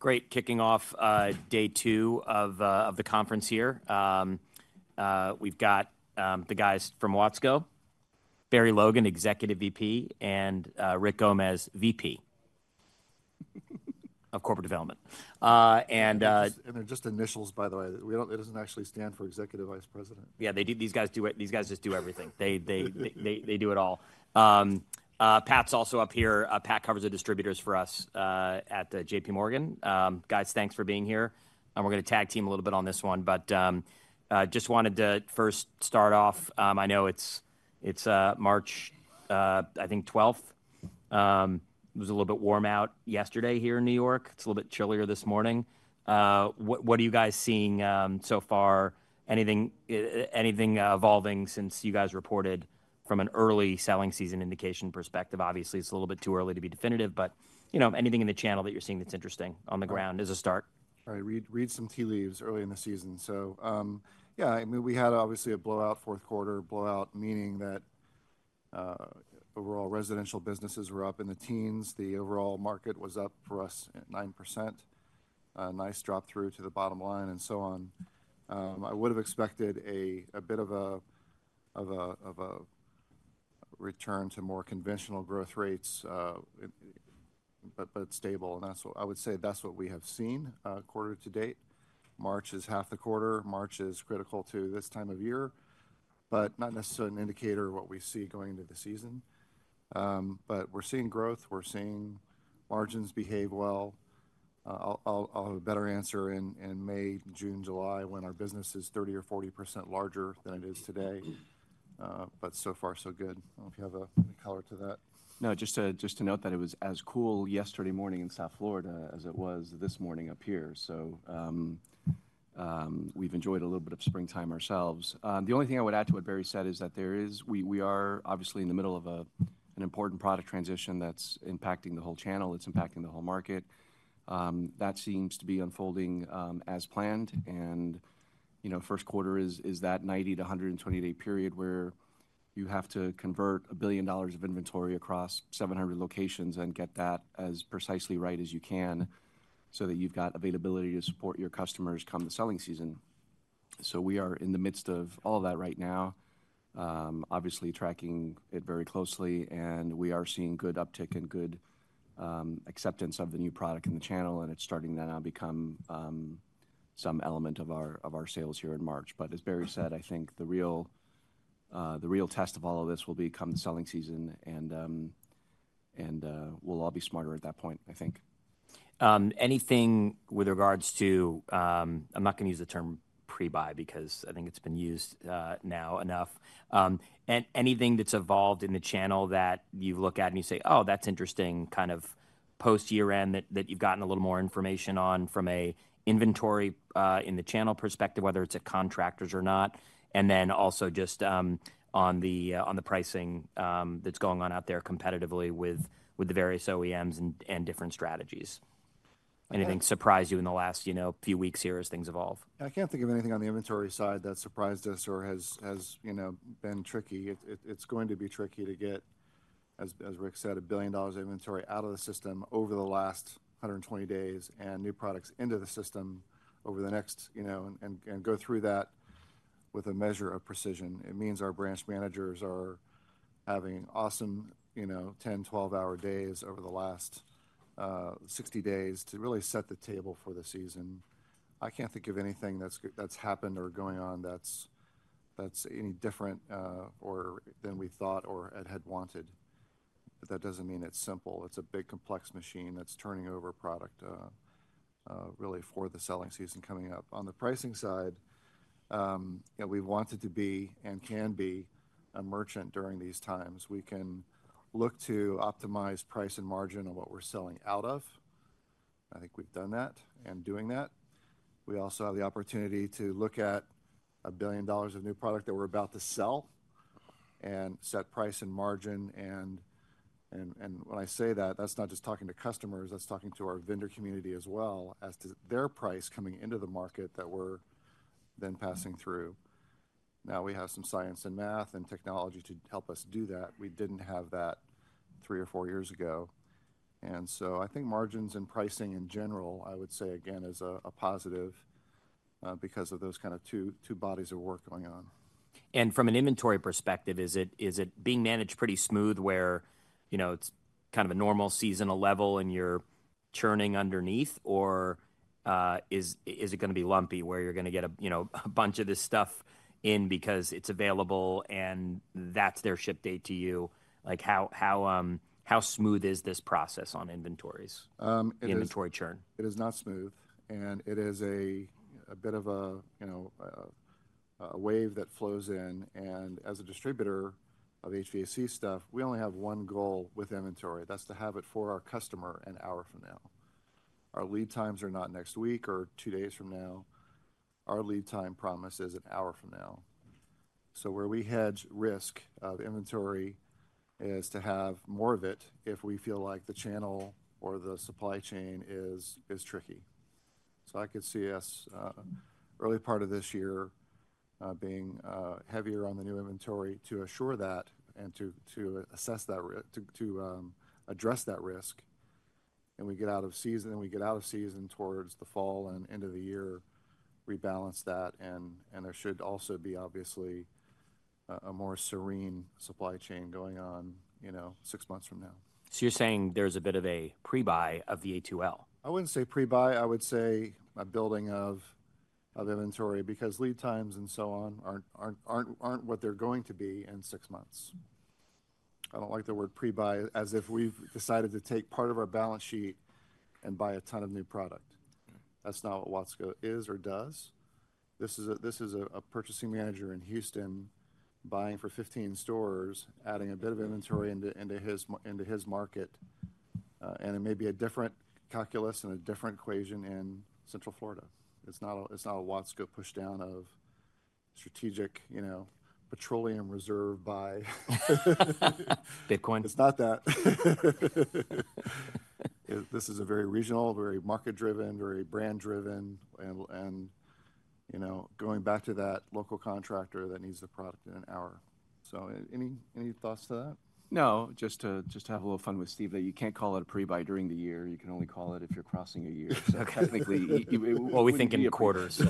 Great. Kicking off day two of the conference here. We've got the guys from Watsco, Barry Logan, Executive VP, and Rick Gomez, VP of Corporate Development. They're just initials, by the way. We don't—it doesn't actually stand for Executive Vice President. Yeah, they do. These guys do it. These guys just do everything. They, they do it all. Pat's also up here. Pat covers the distributors for us at J.P. Morgan. Guys, thanks for being here. We're going to tag team a little bit on this one, but just wanted to first start off. I know it's March, I think 12th. It was a little bit warm out yesterday here in New York. It's a little bit chillier this morning. What are you guys seeing so far? Anything evolving since you guys reported from an early selling season indication perspective? Obviously, it's a little bit too early to be definitive, but, you know, anything in the channel that you're seeing that's interesting on the ground as a start? All right. Read, read some tea leaves early in the season. Yeah, I mean, we had obviously a blowout fourth quarter, blowout, meaning that overall residential businesses were up in the teens. The overall market was up for us at 9%. Nice drop through to the bottom line and so on. I would have expected a bit of a return to more conventional growth rates, but stable. That is what I would say, that is what we have seen, quarter to date. March is half the quarter. March is critical to this time of year, but not necessarily an indicator of what we see going into the season. We are seeing growth. We are seeing margins behave well. I will have a better answer in May, June, July when our business is 30% or 40% larger than it is today. So far, so good. I don't know if you have a color to that. No, just to note that it was as cool yesterday morning in South Florida as it was this morning up here. We have enjoyed a little bit of springtime ourselves. The only thing I would add to what Barry said is that we are obviously in the middle of an important product transition that is impacting the whole channel. It is impacting the whole market. That seems to be unfolding as planned. You know, first quarter is that 90-120 day period where you have to convert a billion dollars of inventory across 700 locations and get that as precisely right as you can so that you have availability to support your customers come the selling season. We are in the midst of all of that right now, obviously tracking it very closely. We are seeing good uptick and good acceptance of the new product in the channel. It is starting to now become some element of our sales here in March. As Barry said, I think the real test of all of this will be come the selling season, and we will all be smarter at that point, I think. Anything with regards to, I am not going to use the term pre-buy because I think it has been used now enough, and anything that has evolved in the channel that you look at and you say, "Oh, that is interesting," kind of post-year end that you have gotten a little more information on from an inventory in the channel perspective, whether it is at contractors or not. Just on the pricing that's going on out there competitively with the various OEMs and different strategies. Anything surprise you in the last, you know, few weeks here as things evolve? I can't think of anything on the inventory side that surprised us or has, you know, been tricky. It's going to be tricky to get, as Rick said, a billion dollars of inventory out of the system over the last 120 days and new products into the system over the next, you know, and go through that with a measure of precision. It means our branch managers are having awesome, you know, 10, 12-hour days over the last 60 days to really set the table for the season. I can't think of anything that's happened or going on that's any different than we thought or had wanted. That doesn't mean it's simple. It's a big complex machine that's turning over product, really for the selling season coming up. On the pricing side, you know, we wanted to be and can be a merchant during these times. We can look to optimize price and margin on what we're selling out of. I think we've done that and doing that. We also have the opportunity to look at a billion dollars of new product that we're about to sell and set price and margin. When I say that, that's not just talking to customers. That's talking to our vendor community as well as to their price coming into the market that we're then passing through. Now we have some science and math and technology to help us do that. We did not have that three or four years ago. I think margins and pricing in general, I would say again, is a positive, because of those kind of two bodies of work going on. From an inventory perspective, is it being managed pretty smooth where, you know, it's kind of a normal seasonal level and you're churning underneath, or is it going to be lumpy where you're going to get a, you know, a bunch of this stuff in because it's available and that's their ship date to you? Like how, how, how smooth is this Process on inventories? it is. Inventory churn. It is not smooth. It is a bit of a, you know, a wave that flows in. As a distributor of HVAC stuff, we only have one goal with inventory. That is to have it for our customer an hour from now. Our lead times are not next week or two days from now. Our lead time promise is an hour from now. Where we hedge risk of inventory is to have more of it if we feel like the channel or the supply chain is tricky. I could see us, early part of this year, being heavier on the new inventory to assure that and to assess that risk, to address that risk. We get out of season, and we get out of season towards the fall and end of the year, rebalance that. There should also be obviously a more serene supply chain going on, you know, six months from now. You're saying there's a bit of a pre-buy of the A2L? I wouldn't say pre-buy. I would say a building of, of inventory because lead times and so on aren't what they're going to be in six months. I don't like the word pre-buy as if we've decided to take part of our balance sheet and buy a ton of new product. That's not what Watsco is or does. This is a purchasing manager in Houston buying for 15 stores, adding a bit of inventory into his market. It may be a different calculus and a different equation in Central Florida. It's not a Watsco pushdown of Strategic, you know, Petroleum Reserve buy. Bitcoin? It's not that. This is a very regional, very market-driven, very brand-driven. And, you know, going back to that local contractor that needs the product in an hour. Any thoughts to that? No, just to have a little fun with Steve that you can't call it a pre-buy during the year. You can only call it if you're crossing a year. So technically you, you're only thinking quarters.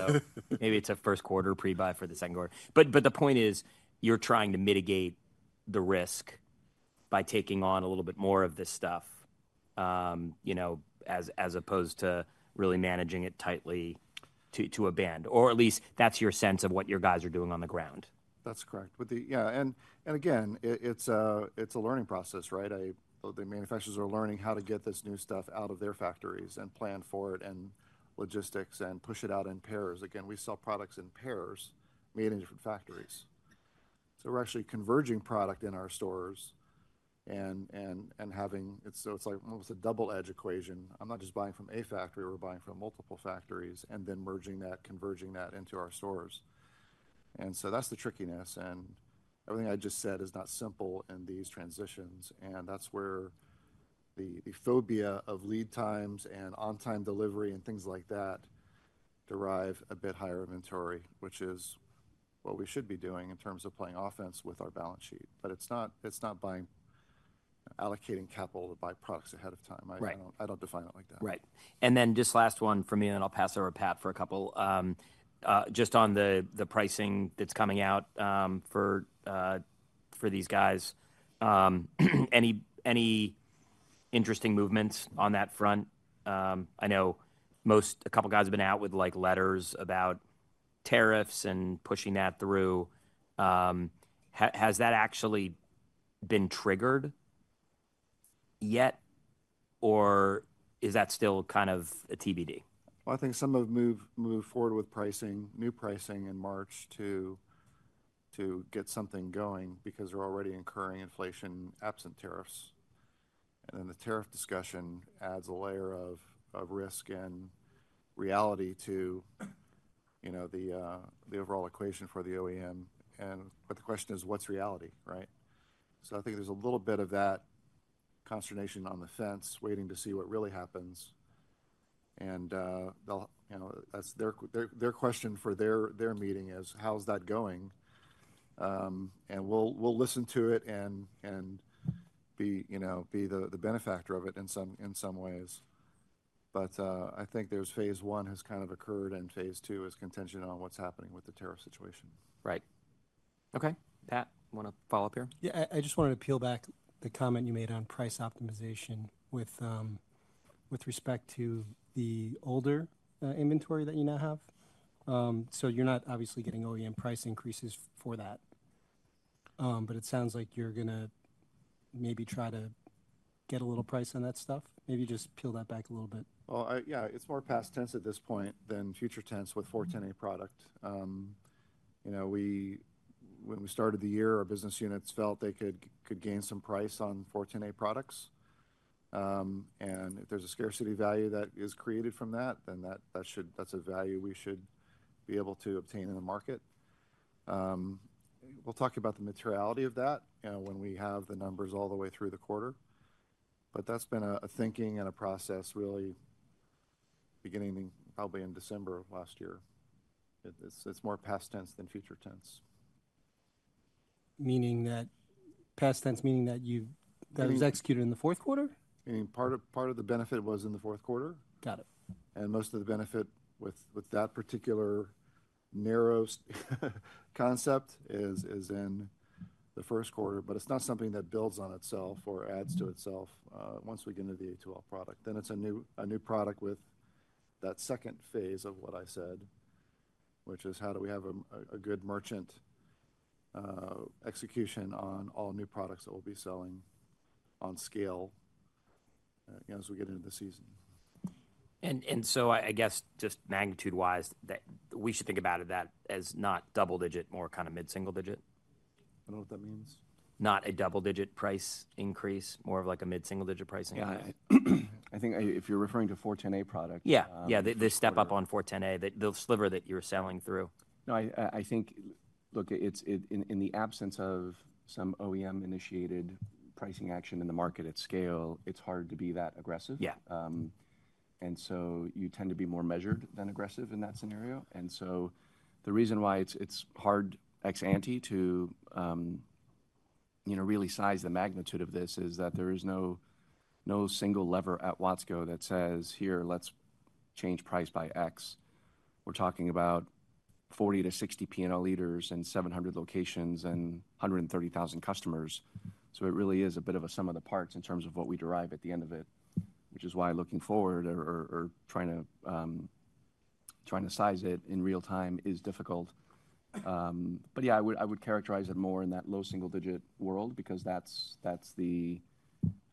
Maybe it's a first quarter pre-buy for the second quarter. The point is you're trying to mitigate the risk by taking on a little bit more of this stuff, you know, as opposed to really managing it tightly to a band, or at least that's your sense of what your guys are doing on the ground. That's correct. Yeah. And again, it's a learning Process, right? The manufacturers are learning how to get this new stuff out of their factories and plan for it and logistics and push it out in pairs. Again, we sell products in pairs, meaning different factories. We are actually converging product in our stores and having, it's almost a double-edged equation. I'm not just buying from a factory. We are buying from multiple factories and then merging that, converging that into our stores. That's the trickiness. Everything I just said is not simple in these transitions. That's where the phobia of lead times and on-time delivery and things like that derive a bit higher inventory, which is what we should be doing in terms of playing offense with our balance sheet. It is not buying, allocating capital to buy products ahead of time. Right. I don't, I don't define it like that. Right. Just last one from me, and then I'll pass it over to Pat for a couple. Just on the pricing that's coming out, for these guys, any interesting movements on that front? I know most, a couple of guys have been out with like letters about tariffs and pushing that through. Has that actually been triggered yet, or is that still kind of a TBD? I think some have moved forward with pricing, new pricing in March to get something going because we're already incurring inflation absent tariffs. The tariff discussion adds a layer of risk and reality to, you know, the overall equation for the OEM. The question is, what's reality, right? I think there's a little bit of that consternation on the fence waiting to see what really happens. They'll, you know, that's their question for their meeting is, how's that going? We'll listen to it and be, you know, be the benefactor of it in some ways. I think phase one has kind of occurred and phase two is contention on what's happening with the tariff situation. Right. Okay. Pat, you want to follow up here? Yeah. I just wanted to peel back the comment you made on price optimization with respect to the older inventory that you now have. You are not obviously getting OEM price increases for that, but it sounds like you are going to maybe try to get a little price on that stuff. Maybe just peel that back a little bit. Yeah, it's more past tense at this point than future tense with 410A product. You know, we, when we started the year, our business units felt they could, could gain some price on 410A products. If there's a scarcity value that is created from that, then that, that should, that's a value we should be able to obtain in the market. We'll talk about the materiality of that, you know, when we have the numbers all the way through the quarter. That's been a thinking and a Process really beginning probably in December of last year. It's more past tense than future tense. Meaning that past tense, meaning that you've, that it was executed in the fourth quarter? Meaning part of, part of the benefit was in the fourth quarter. Got it. Most of the benefit with that particular narrow concept is in the first quarter. It is not something that builds on itself or adds to itself, once we get into the A2L product. Then it is a new product with that second phase of what I said, which is how do we have a good merchant execution on all new products that we will be selling on scale, you know, as we get into the season. I guess just magnitude-wise, that we should think about it as not double-digit, more kind of mid-single digit? I don't know what that means. Not a double-digit price increase, more of like a mid-single digit pricing? Yeah. I think if you're referring to 410A product. Yeah. Yeah. They step up on 410A, they, that sliver that you're selling through. No, I think, look, it's, in the absence of some OEM-initiated pricing action in the market at scale, it's hard to be that aggressive. Yeah. You tend to be more measured than aggressive in that scenario. The reason why it's hard ex-ante to, you know, really size the magnitude of this is that there is no single lever at Watsco that says, "Here, let's change price by X." We're talking about 40-60 P&L leaders and 700 locations and 130,000 customers. It really is a bit of a sum of the parts in terms of what we derive at the end of it, which is why looking forward or trying to size it in real time is difficult. Yeah, I would characterize it more in that low single-digit world because that's the,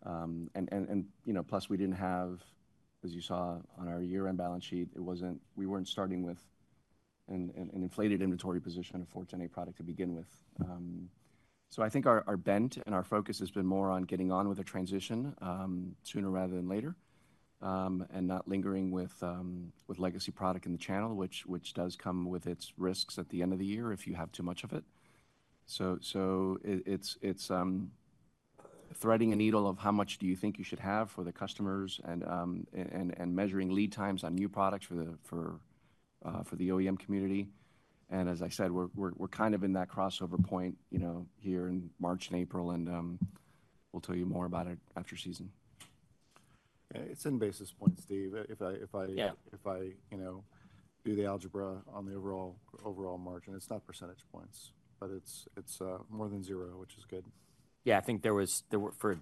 and, you know, plus we didn't have, as you saw on our year-end balance sheet, we weren't starting with an inflated inventory position of 410A product to begin with. I think our bent and our focus has been more on getting on with a transition, sooner rather than later, and not lingering with legacy product in the channel, which does come with its risks at the end of the year if you have too much of it. It's threading a needle of how much do you think you should have for the customers and measuring lead times on new products for the OEM community. As I said, we're kind of in that crossover point, you know, here in March and April, and we'll tell you more about it after season. It's in basis points, Steve. If I, if I. Yeah. If I, you know, do the algebra on the overall, overall margin, it's not percentage points, but it's, it's more than zero, which is good. Yeah. I think there was, there were for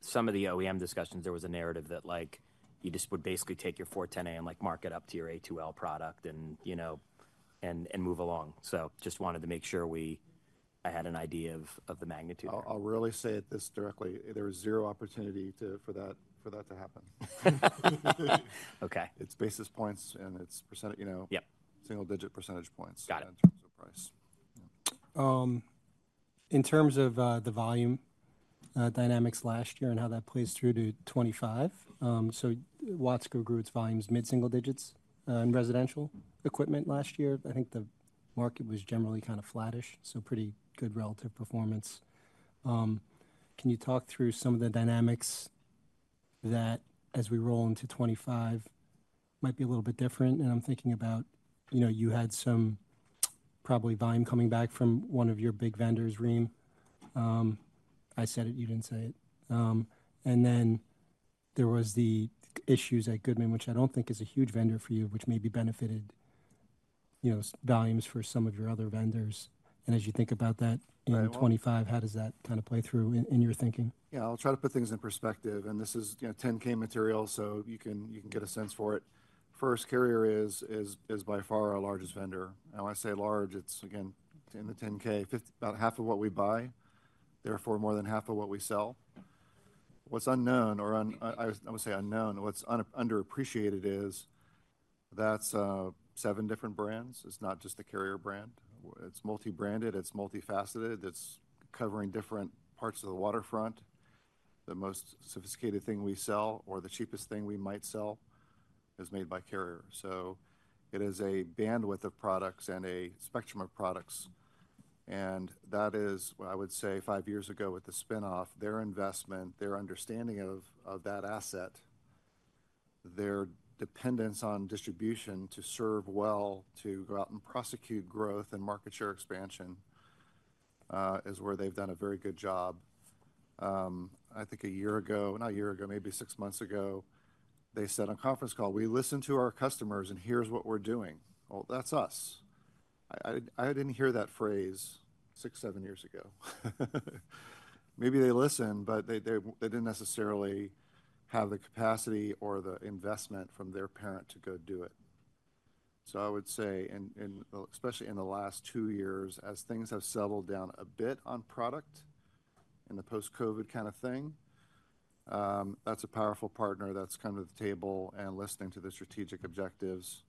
some of the OEM discussions, there was a narrative that like you just would basically take your 410A and like mark it up to your A2L product and, you know, and move along. Just wanted to make sure we, I had an idea of, of the magnitude. I'll really say it this directly. There was zero opportunity for that to happen. Okay. It's basis points and it's percentage, you know. Yep. Single-digit percentage points. Got it. In terms of price. In terms of the volume dynamics last year and how that plays through to 2025, Watsco grew its volumes mid-single digits in residential equipment last year. I think the market was generally kind of flattish, so pretty good relative performance. Can you talk through some of the dynamics that as we roll into 2025 might be a little bit different? I'm thinking about, you know, you had some probably volume coming back from one of your big vendors, Rheem. I said it, you did not say it. Then there was the issues at Goodman, which I do not think is a huge vendor for you, which maybe benefited, you know, volumes for some of your other vendors. As you think about that. I know. In 2025, how does that kind of play through in your thinking? Yeah. I'll try to put things in perspective. And this is, you know, 10-K material, so you can, you can get a sense for it. First, Carrier is, is by far our largest vendor. When I say large, it's again in the 10-K, about half of what we buy, therefore more than half of what we sell. What's unknown or, I would say unknown, what's underappreciated is that's seven different brands. It's not just the Carrier brand. It's multi-branded. It's multifaceted. It's covering different parts of the waterfront. The most sophisticated thing we sell or the cheapest thing we might sell is made by Carrier. It is a bandwidth of products and a spectrum of products. That is what I would say five years ago with the spinoff, their investment, their understanding of that asset, their dependence on distribution to serve well, to go out and prosecute growth and market share expansion, is where they've done a very good job. I think a year ago, not a year ago, maybe six months ago, they said on a conference call, "We listen to our customers and here's what we're doing." That is us. I didn't hear that phrase six, seven years ago. Maybe they listened, but they didn't necessarily have the capacity or the investment from their parent to go do it. I would say, especially in the last two years, as things have settled down a bit on product in the post-COVID kind of thing, that's a powerful partner that's come to the table and listening to the strategic objectives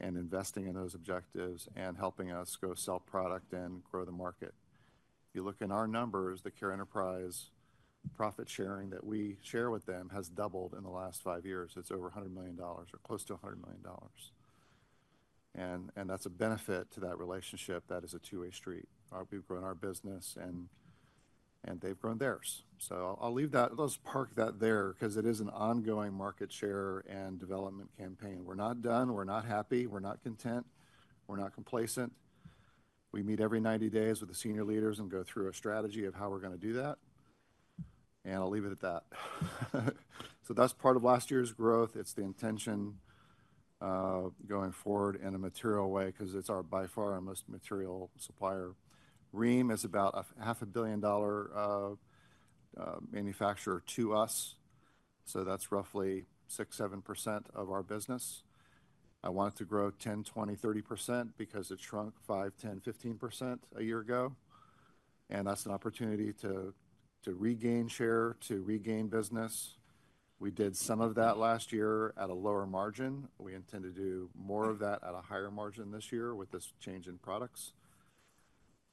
and investing in those objectives and helping us go sell product and grow the market. You look in our numbers, the Carrier Enterprise profit sharing that we share with them has doubled in the last five years. It's over $100 million or close to $100 million. That's a benefit to that relationship. That is a two-way street. We've grown our business and they've grown theirs. I'll leave that, let's park that there because it is an ongoing market share and development campaign. We're not done. We're not happy. We're not content. We're not complacent. We meet every 90 days with the senior leaders and go through a strategy of how we're going to do that. I'll leave it at that. That's part of last year's growth. It's the intention, going forward in a material way because it's by far our most material supplier. Rheem is about a $500,000,000 manufacturer to us. That's roughly 6-7% of our business. I wanted to grow 10-20-30% because it shrunk 5-10-15% a year ago. That's an opportunity to regain share, to regain business. We did some of that last year at a lower margin. We intend to do more of that at a higher margin this year with this change in products.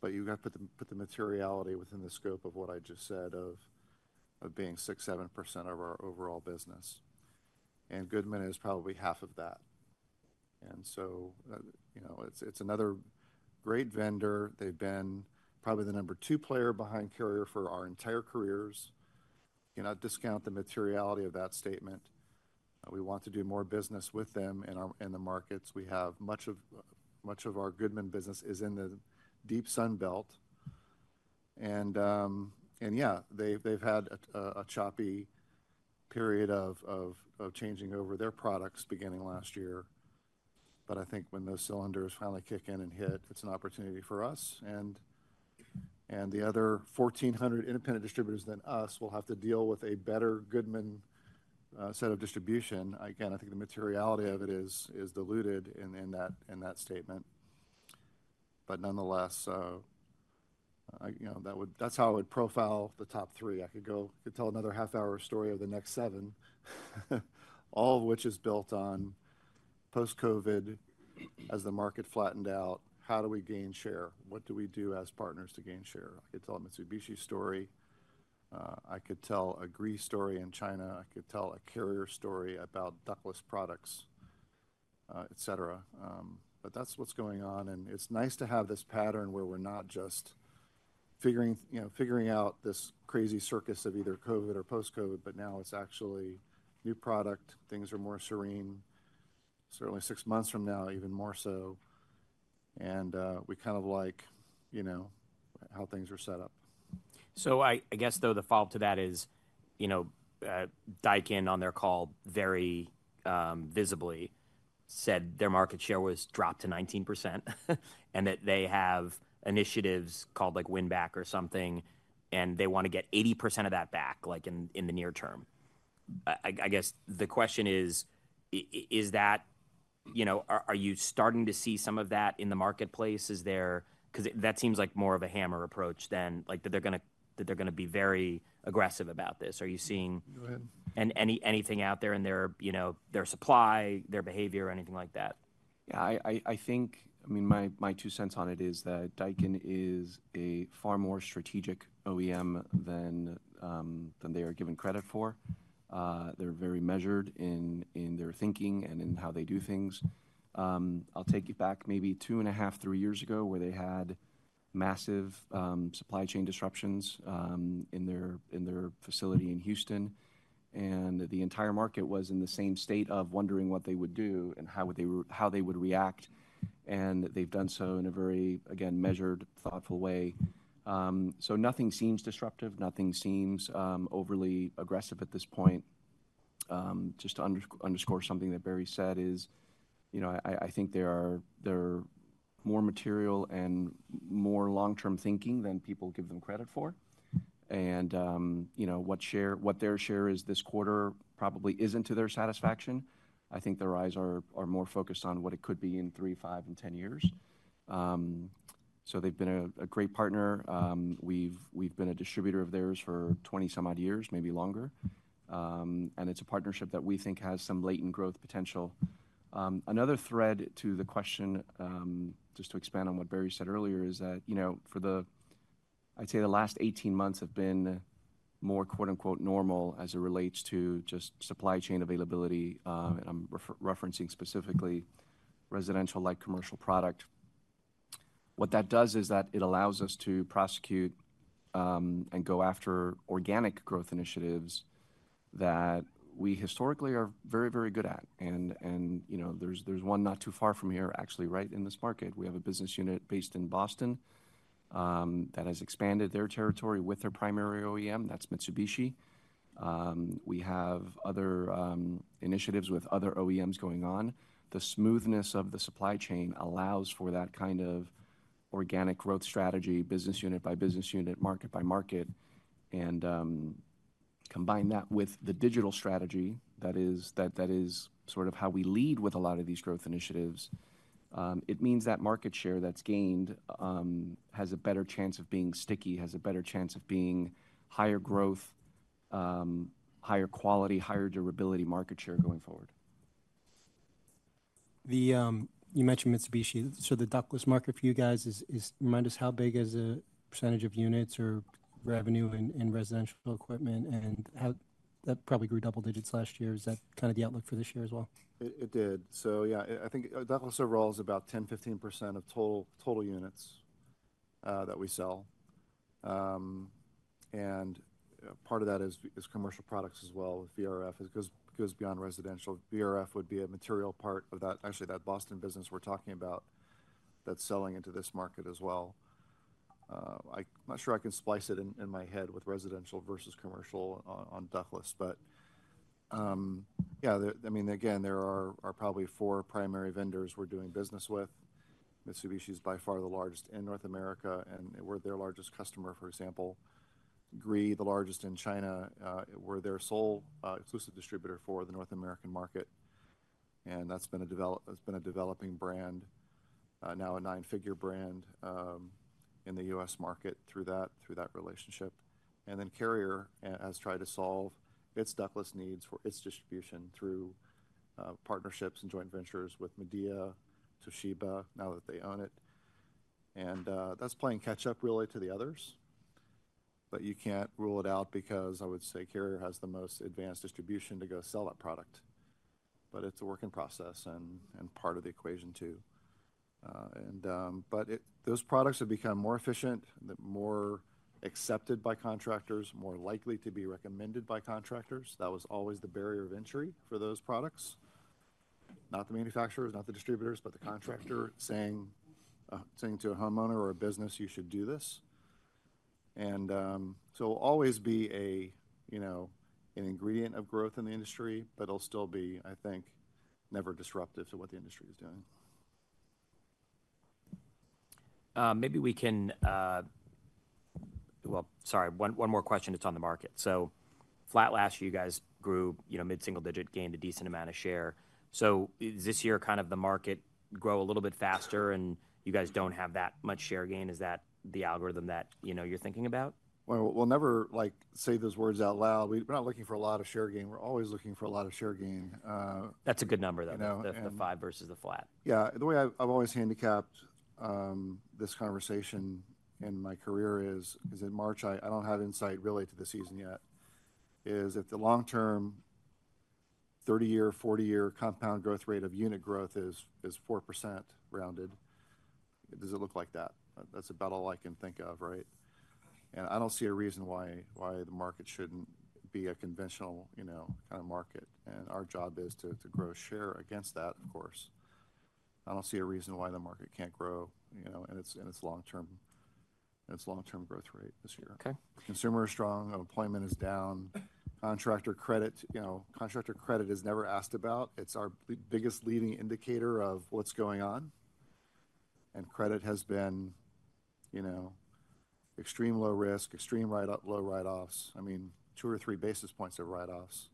You got to put the materiality within the scope of what I just said, of being 6-7% of our overall business. Goodman is probably half of that. You know, it is another great vendor. They have been probably the number two player behind Carrier for our entire careers. You know, discount the materiality of that statement. We want to do more business with them in our markets. Much of our Goodman business is in the deep Sun Belt. They have had a choppy period of changing over their products beginning last year. I think when those cylinders finally kick in and hit, it is an opportunity for us. The other 1,400 independent distributors than us will have to deal with a better Goodman set of distribution. Again, I think the materiality of it is diluted in that statement. Nonetheless, I, you know, that would, that's how I would profile the top three. I could go, could tell another half hour story of the next seven, all of which is built on post-COVID as the market flattened out. How do we gain share? What do we do as partners to gain share? I could tell a Mitsubishi story. I could tell a Gree story in China. I could tell a Carrier story about ductless products, et cetera. That's what's going on. It's nice to have this pattern where we're not just figuring, you know, figuring out this crazy circus of either COVID or post-COVID, but now it's actually new product. Things are more serene, certainly six months from now, even more so. We kind of like, you know, how things are set up. I guess though the follow-up to that is, you know, Daikin on their call very visibly said their market share was dropped to 19% and that they have initiatives called like WinBack or something, and they want to get 80% of that back, like in the near term. I guess the question is, is that, you know, are you starting to see some of that in the marketplace? Is there because that seems like more of a hammer approach than like that they're going to, that they're going to be very aggressive about this. Are you seeing. Go ahead. Anything out there in their, you know, their supply, their behavior, anything like that? Yeah. I think, I mean, my two cents on it is that Daikin is a far more strategic OEM than they are given credit for. They're very measured in their thinking and in how they do things. I'll take you back maybe two and a half, three years ago where they had massive supply chain disruptions in their facility in Houston. The entire market was in the same state of wondering what they would do and how they would react. They've done so in a very, again, measured, thoughtful way. Nothing seems disruptive. Nothing seems overly aggressive at this point. Just to underscore something that Barry said is, you know, I think there are more material and more long-term thinking than people give them credit for. You know, what share, what their share is this quarter probably isn't to their satisfaction. I think their eyes are more focused on what it could be in three, five, and ten years. They have been a great partner. We have been a distributor of theirs for 20-some-odd years, maybe longer. It is a partnership that we think has some latent growth potential. Another thread to the question, just to expand on what Barry said earlier, is that for the last 18 months have been more quote-unquote normal as it relates to just supply chain availability. I am referencing specifically residential like commercial product. What that does is that it allows us to prosecute and go after organic growth initiatives that we historically are very, very good at. You know, there's one not too far from here, actually right in this market. We have a business unit based in Boston that has expanded their territory with their primary OEM, that's Mitsubishi. We have other initiatives with other OEMs going on. The smoothness of the supply chain allows for that kind of organic growth strategy, business unit by business unit, market by market. Combine that with the digital strategy that is, that is sort of how we lead with a lot of these growth initiatives. It means that market share that's gained has a better chance of being sticky, has a better chance of being higher growth, higher quality, higher durability market share going forward. You mentioned Mitsubishi. The ductless market for you guys is, is, remind us how big is the percentage of units or revenue in, in residential equipment and how that probably grew double digits last year. Is that kind of the outlook for this year as well? It did. Yeah, I think ductless overall is about 10-15% of total units that we sell. Part of that is commercial products as well. VRF goes beyond residential. VRF would be a material part of that. Actually, that Boston business we are talking about is selling into this market as well. I'm not sure I can splice it in my head with residential versus commercial on ductless, but yeah, there are probably four primary vendors we are doing business with. Mitsubishi is by far the largest in North America and we are their largest customer, for example. Gree, the largest in China, we are their sole, exclusive distributor for the North American market. That has been a developing brand, now a nine-figure brand, in the U.S. market through that relationship. Carrier has tried to solve its ductless needs for its distribution through partnerships and joint ventures with Midea, Toshiba, now that they own it. That is playing catch-up really to the others. You cannot rule it out because I would say Carrier has the most advanced distribution to go sell that product. It is a work in Process and part of the equation too. Those products have become more efficient, more accepted by contractors, more likely to be recommended by contractors. That was always the barrier of entry for those products, not the manufacturers, not the distributors, but the contractor saying to a homeowner or a business, "You should do this." It will always be, you know, an ingredient of growth in the industry, but it will still be, I think, never disruptive to what the industry is doing. Maybe we can, sorry, one more question. It's on the market. Flat last year, you guys grew, you know, mid-single digit, gained a decent amount of share. Is this year kind of the market grow a little bit faster and you guys don't have that much share gain? Is that the algorithm that, you know, you're thinking about? We'll never like say those words out loud. We're not looking for a lot of share gain. We're always looking for a lot of share gain. That's a good number though. The five versus the flat. Yeah. The way I've always handicapped this conversation in my career is in March, I don't have insight really to the season yet, is if the long-term 30-year, 40-year compound growth rate of unit growth is 4% rounded, does it look like that? That's about all I can think of, right? I don't see a reason why the market shouldn't be a conventional, you know, kind of market. Our job is to grow share against that, of course. I don't see a reason why the market can't grow, you know, in its long-term, in its long-term growth rate this year. Okay. Consumer is strong. Employment is down. Contractor credit, you know, contractor credit is never asked about. It's our biggest leading indicator of what's going on. And credit has been, you know, extreme low risk, extreme write-up, low write-offs. I mean, two or three basis points of write-offs.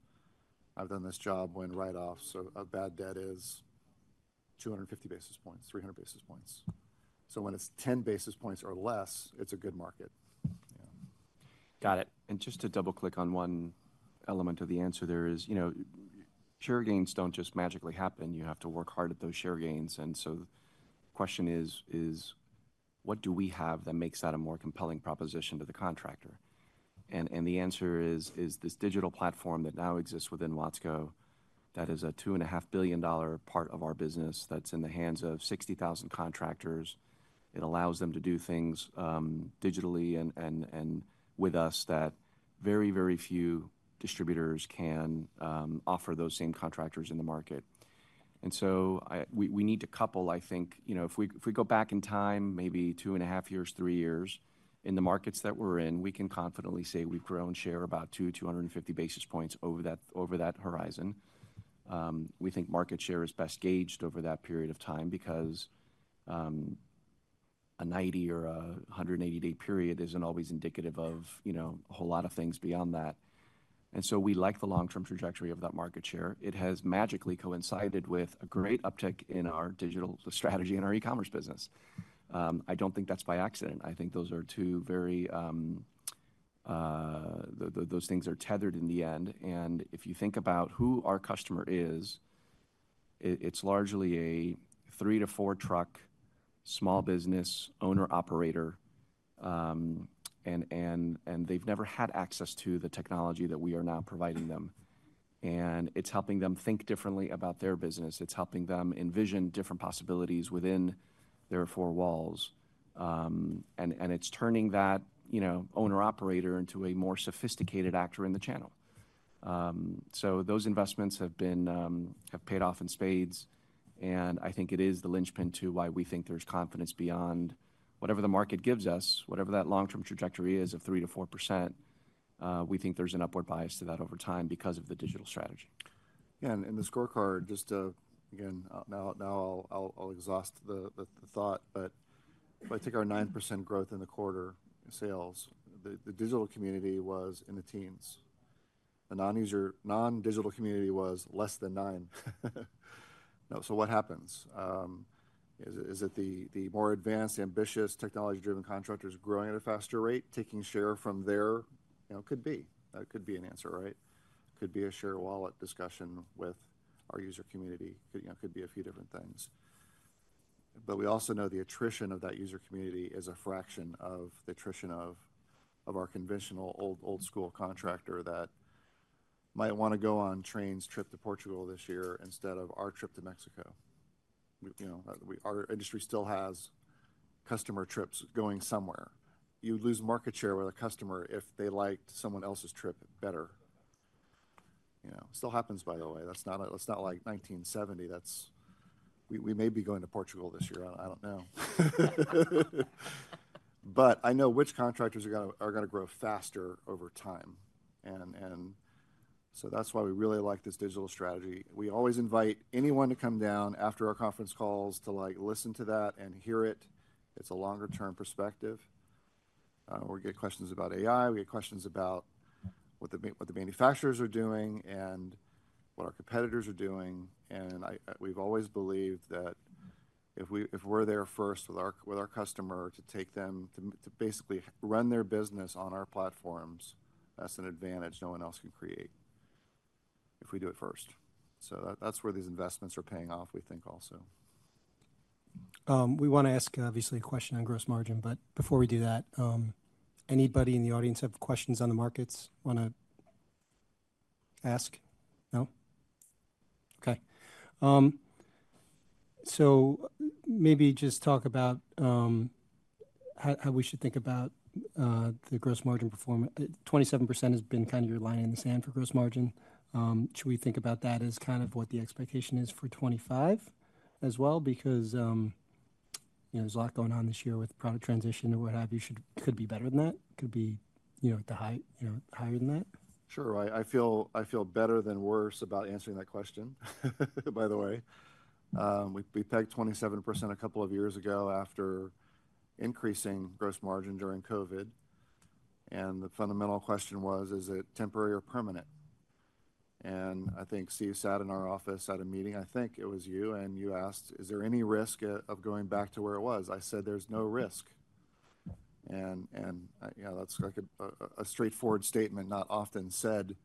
I've done this job when write-offs of bad debt is 250 basis points, 300 basis points. When it's 10 basis points or less, it's a good market. Yeah. Got it. Just to double-click on one element of the answer, you know, share gains don't just magically happen. You have to work hard at those share gains. The question is, what do we have that makes that a more compelling proposition to the contractor? The answer is, this digital platform that now exists within Watsco that is a $2.5 billion part of our business that's in the hands of 60,000 contractors. It allows them to do things digitally and with us that very, very few distributors can offer those same contractors in the market. I, we, we need to couple, I think, you know, if we, if we go back in time, maybe two and a half years, three years in the markets that we're in, we can confidently say we've grown share about two, 250 basis points over that, over that horizon. We think market share is best gauged over that period of time because, a 90 or a 180-day period isn't always indicative of, you know, a whole lot of things beyond that. We like the long-term trajectory of that market share. It has magically coincided with a great uptick in our digital strategy and our e-commerce business. I don't think that's by accident. I think those are two very, those things are tethered in the end. If you think about who our customer is, it's largely a three to four truck small business owner-operator, and they've never had access to the technology that we are now providing them. It's helping them think differently about their business. It's helping them envision different possibilities within their four walls, and it's turning that owner-operator into a more sophisticated actor in the channel. Those investments have paid off in spades. I think it is the linchpin to why we think there's confidence beyond whatever the market gives us, whatever that long-term trajectory is of 3-4%. We think there's an upward bias to that over time because of the digital strategy. Yeah. The scorecard, just to, again, now I'll exhaust the thought, but if I take our 9% growth in the quarter sales, the digital community was in the teens. The non-user, non-digital community was less than nine. No. What happens is, is it the more advanced, ambitious, technology-driven contractors growing at a faster rate, taking share from their, you know, could be, that could be an answer, right? Could be a share wallet discussion with our user community. Could, you know, could be a few different things. We also know the attrition of that user community is a fraction of the attrition of our conventional old, old school contractor that might want to go on Trane's trip to Portugal this year instead of our trip to Mexico. We, you know, our industry still has customer trips going somewhere. You lose market share with a customer if they liked someone else's trip better. You know, still happens, by the way. That is not like 1970. We may be going to Portugal this year. I do not know. I know which contractors are going to grow faster over time. That is why we really like this digital strategy. We always invite anyone to come down after our conference calls to listen to that and hear it. It is a longer-term perspective. We get questions about AI. We get questions about what the manufacturers are doing and what our competitors are doing. We have always believed that if we are there first with our customer to take them to basically run their business on our platforms, that is an advantage no one else can create if we do it first. That is where these investments are paying off, we think also. We want to ask, obviously, a question on gross margin, but before we do that, anybody in the audience have questions on the markets? Want to ask? No? Okay. Maybe just talk about how we should think about the gross margin performance. 27% has been kind of your line in the sand for gross margin. Should we think about that as kind of what the expectation is for 2025 as well? Because, you know, there's a lot going on this year with product transition or what have you. Should, could be better than that. Could be, you know, at the high, you know, higher than that. Sure. I feel, I feel better than worse about answering that question, by the way. We pegged 27% a couple of years ago after increasing gross margin during COVID. The fundamental question was, is it temporary or permanent? I think Steve sat in our office at a meeting, I think it was you, and you asked, is there any risk of going back to where it was? I said, there's no risk. Yeah, that's like a straightforward statement not often said,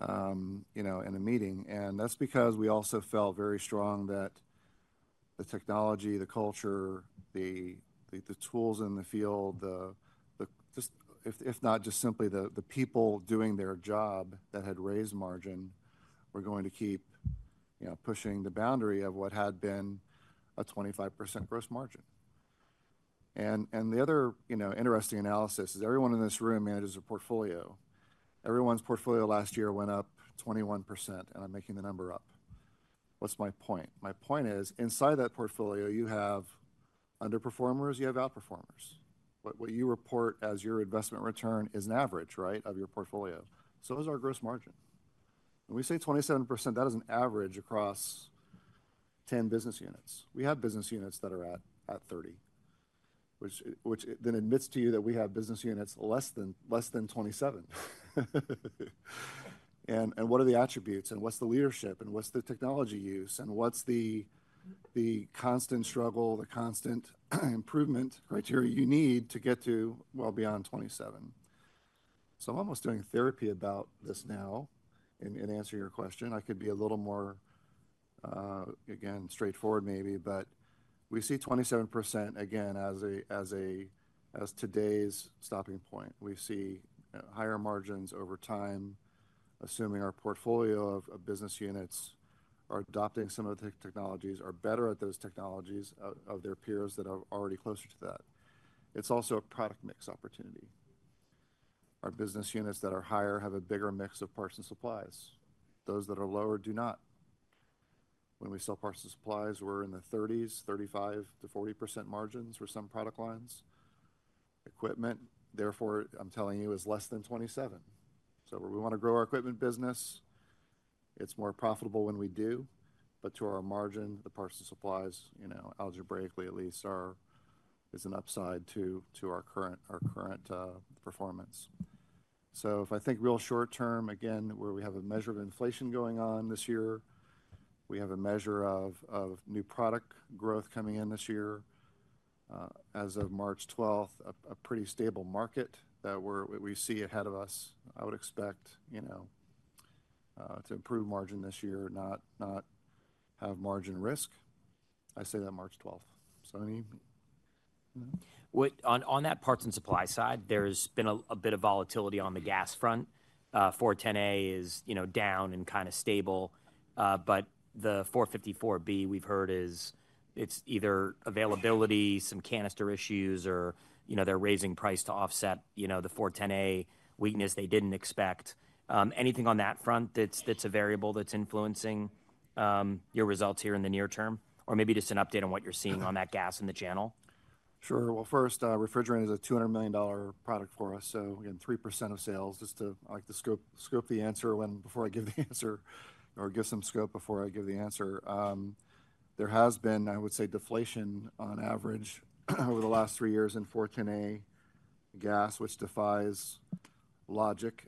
you know, in a meeting. That's because we also felt very strong that the technology, the culture, the tools in the field, just if not just simply the people doing their job that had raised margin were going to keep, you know, pushing the boundary of what had been a 25% gross margin. The other, you know, interesting analysis is everyone in this room manages a portfolio. Everyone's portfolio last year went up 21%, and I'm making the number up. What's my point? My point is inside that portfolio, you have underperformers, you have outperformers. What you report as your investment return is an average, right, of your portfolio. Those are our gross margin. When we say 27%, that is an average across 10 business units. We have business units that are at 30, which then admits to you that we have business units less than 27. What are the attributes and what's the leadership and what's the technology use and what's the constant struggle, the constant improvement criteria you need to get to well beyond 27%? I'm almost doing therapy about this now in answering your question. I could be a little more, again, straightforward maybe, but we see 27% again as a, as a, as today's stopping point. We see higher margins over time, assuming our portfolio of, of business units are adopting some of the technologies, are better at those technologies of, of their peers that are already closer to that. It's also a product mix opportunity. Our business units that are higher have a bigger mix of parts and supplies. Those that are lower do not. When we sell parts and supplies, we're in the 30s, 35-40% margins for some product lines. Equipment, therefore, I'm telling you is less than 27. So we want to grow our equipment business. It's more profitable when we do, but to our margin, the parts and supplies, you know, algebraically at least, are is an upside to, to our current, our current, performance. If I think real short term, again, where we have a measure of inflation going on this year, we have a measure of new product growth coming in this year. As of March 12th, a pretty stable market that we see ahead of us, I would expect, you know, to improve margin this year, not have margin risk. I say that March 12th. So any, you know. What on, on that parts and supply side, there's been a bit of volatility on the gas front. 410A is, you know, down and kind of stable. But the 454B we've heard is it's either availability, some canister issues, or, you know, they're raising price to offset, you know, the 410A weakness they didn't expect. Anything on that front that's a variable that's influencing your results here in the near term? Or maybe just an update on what you're seeing on that gas in the channel? Sure. First, refrigerant is a $200 million product for us. Again, 3% of sales, just to, I like to scope, scope the answer when, before I give the answer or give some scope before I give the answer. There has been, I would say, deflation on average over the last three years in 410A gas, which defies logic,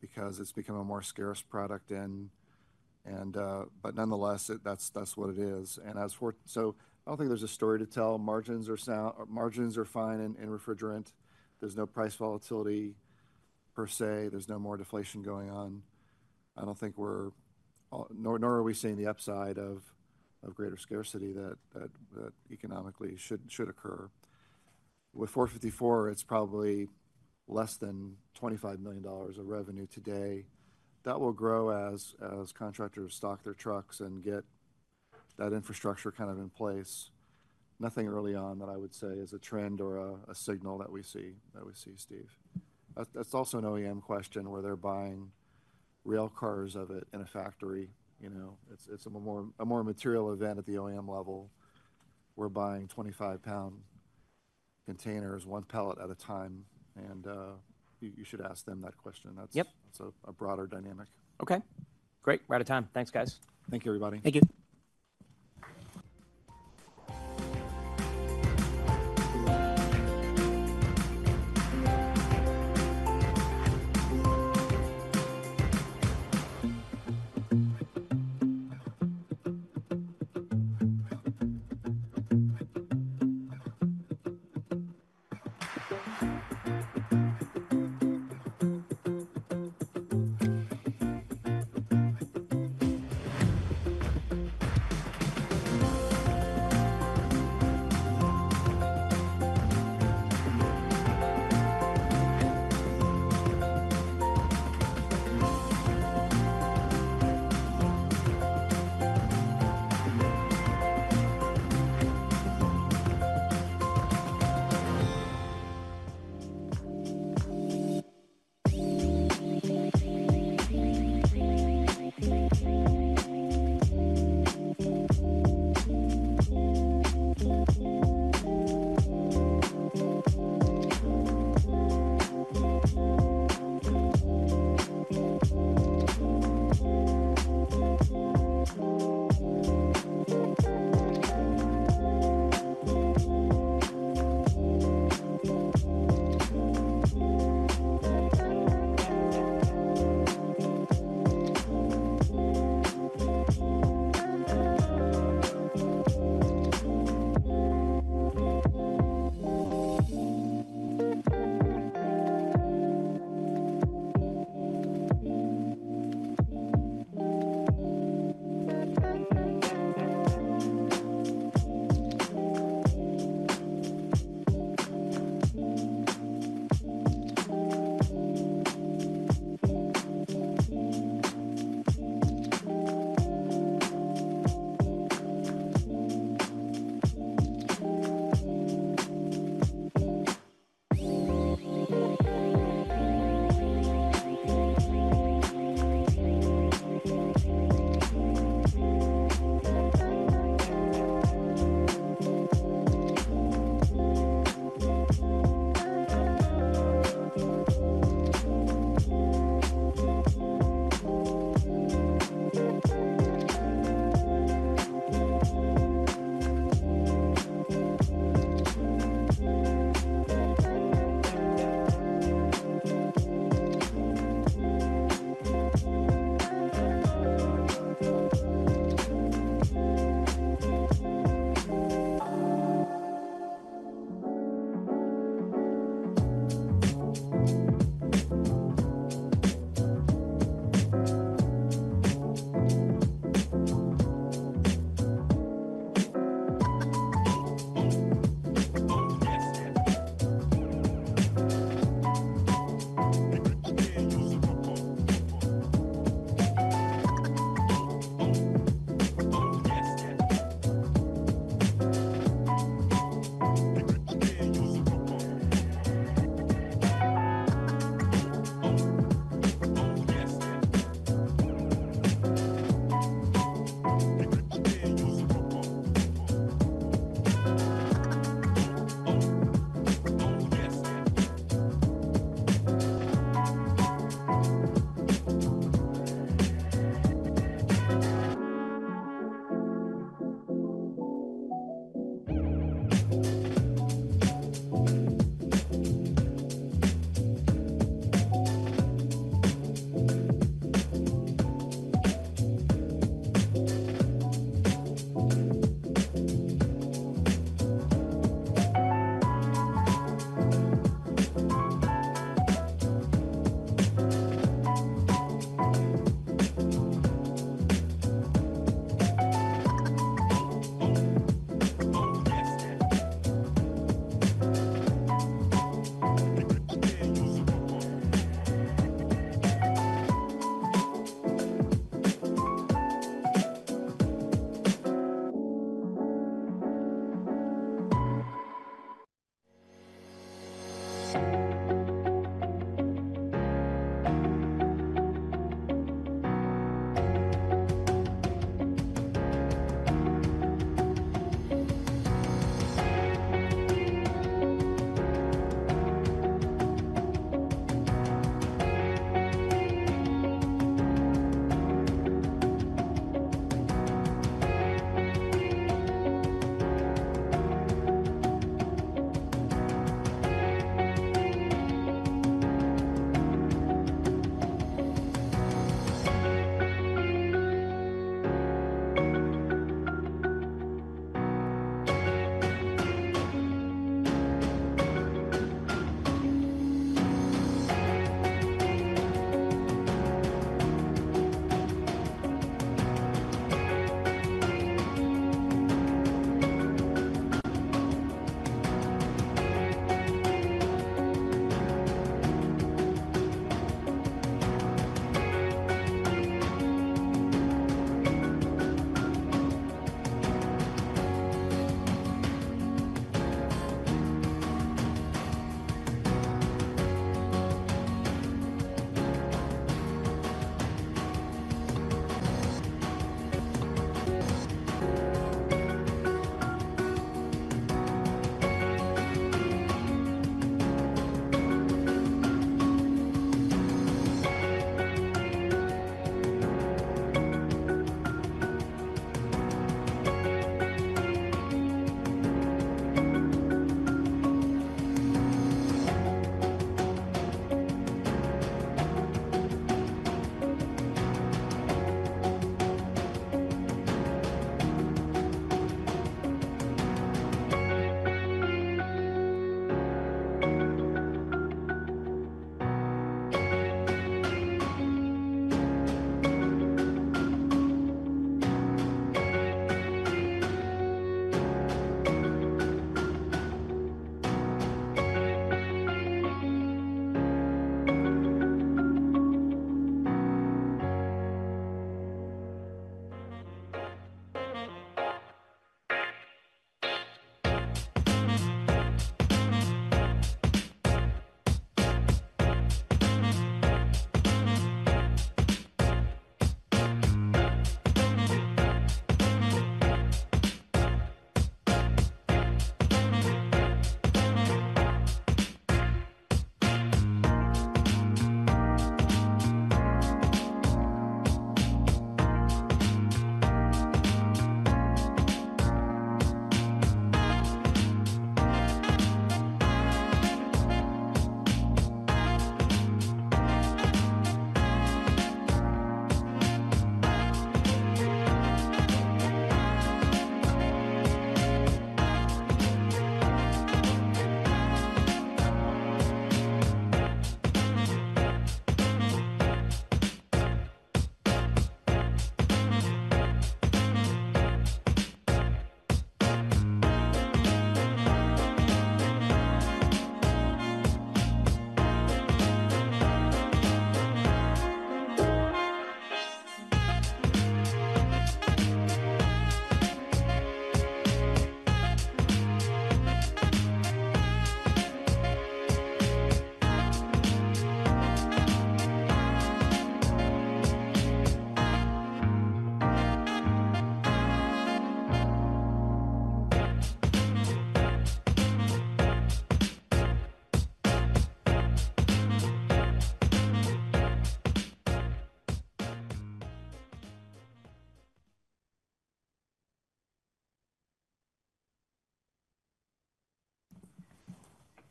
because it's become a more scarce product, but nonetheless, that's what it is. As for, I don't think there's a story to tell. Margins are sound, margins are fine in refrigerant. There's no price volatility per se. There's no more deflation going on. I don't think we're, nor are we seeing the upside of greater scarcity that, that economically should occur. With 454, it's probably less than $25 million of revenue today. That will grow as contractors stock their trucks and get that infrastructure kind of in place. Nothing early on that I would say is a trend or a signal that we see, that we see, Steve. That is also an OEM question where they are buying rail cars of it in a factory. You know, it is a more material event at the OEM level. We are buying 25-pound containers, one pallet at a time. You should ask them that question. That is a broader dynamic. Okay. Great. Right at time. Thanks, guys. Thank you, everybody. Thank you.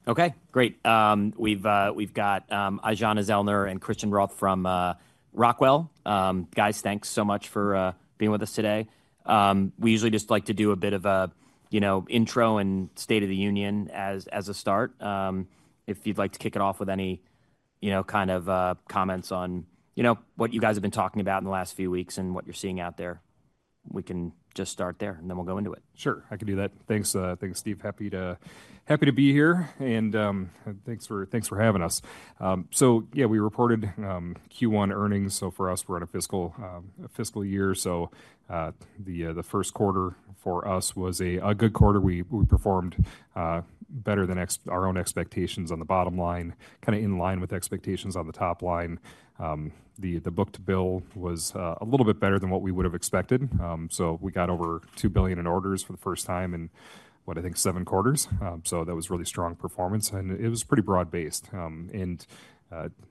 Okay. Great. We've got Aijanna Zellner and Christian Rothe from Rockwell. Guys, thanks so much for being with us today. We usually just like to do a bit of a, you know, intro and state of the union as a start. If you'd like to kick it off with any, you know, kind of comments on, you know, what you guys have been talking about in the last few weeks and what you're seeing out there, we can just start there and then we'll go into it. Sure. I can do that. Thanks, Steve. Happy to be here and thanks for having us. Yeah, we reported Q1 earnings. For us, we're at a fiscal year. The first quarter for us was a good quarter. We performed better than our own expectations on the bottom line, kind of in line with expectations on the top line. The book-to-bill was a little bit better than what we would've expected. We got over $2 billion in orders for the first time in what I think seven quarters. That was really strong performance and it was pretty broad-based.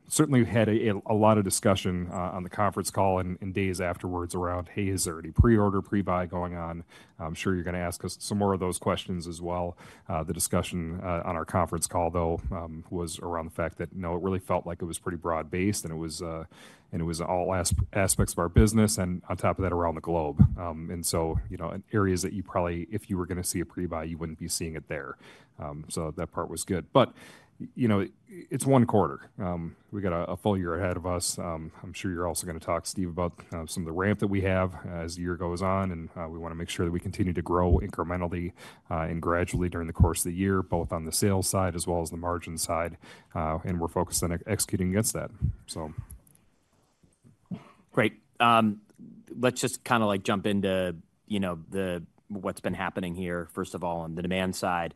Certainly had a lot of discussion on the conference call and days afterwards around, hey, is there any pre-order, pre-buy going on? I'm sure you're gonna ask us some more of those questions as well. The discussion on our conference call, though, was around the fact that, you know, it really felt like it was pretty broad-based and it was all aspects of our business and on top of that, around the globe. You know, in areas that you probably, if you were gonna see a pre-buy, you wouldn't be seeing it there. That part was good, but you know, it's one quarter. We got a full year ahead of us. I'm sure you're also gonna talk, Steve, about some of the ramp that we have as the year goes on and we wanna make sure that we continue to grow incrementally and gradually during the course of the year, both on the sales side as well as the margin side. We're focused on executing against that. Great. Let's just kind of like jump into, you know, what's been happening here, first of all, on the demand side.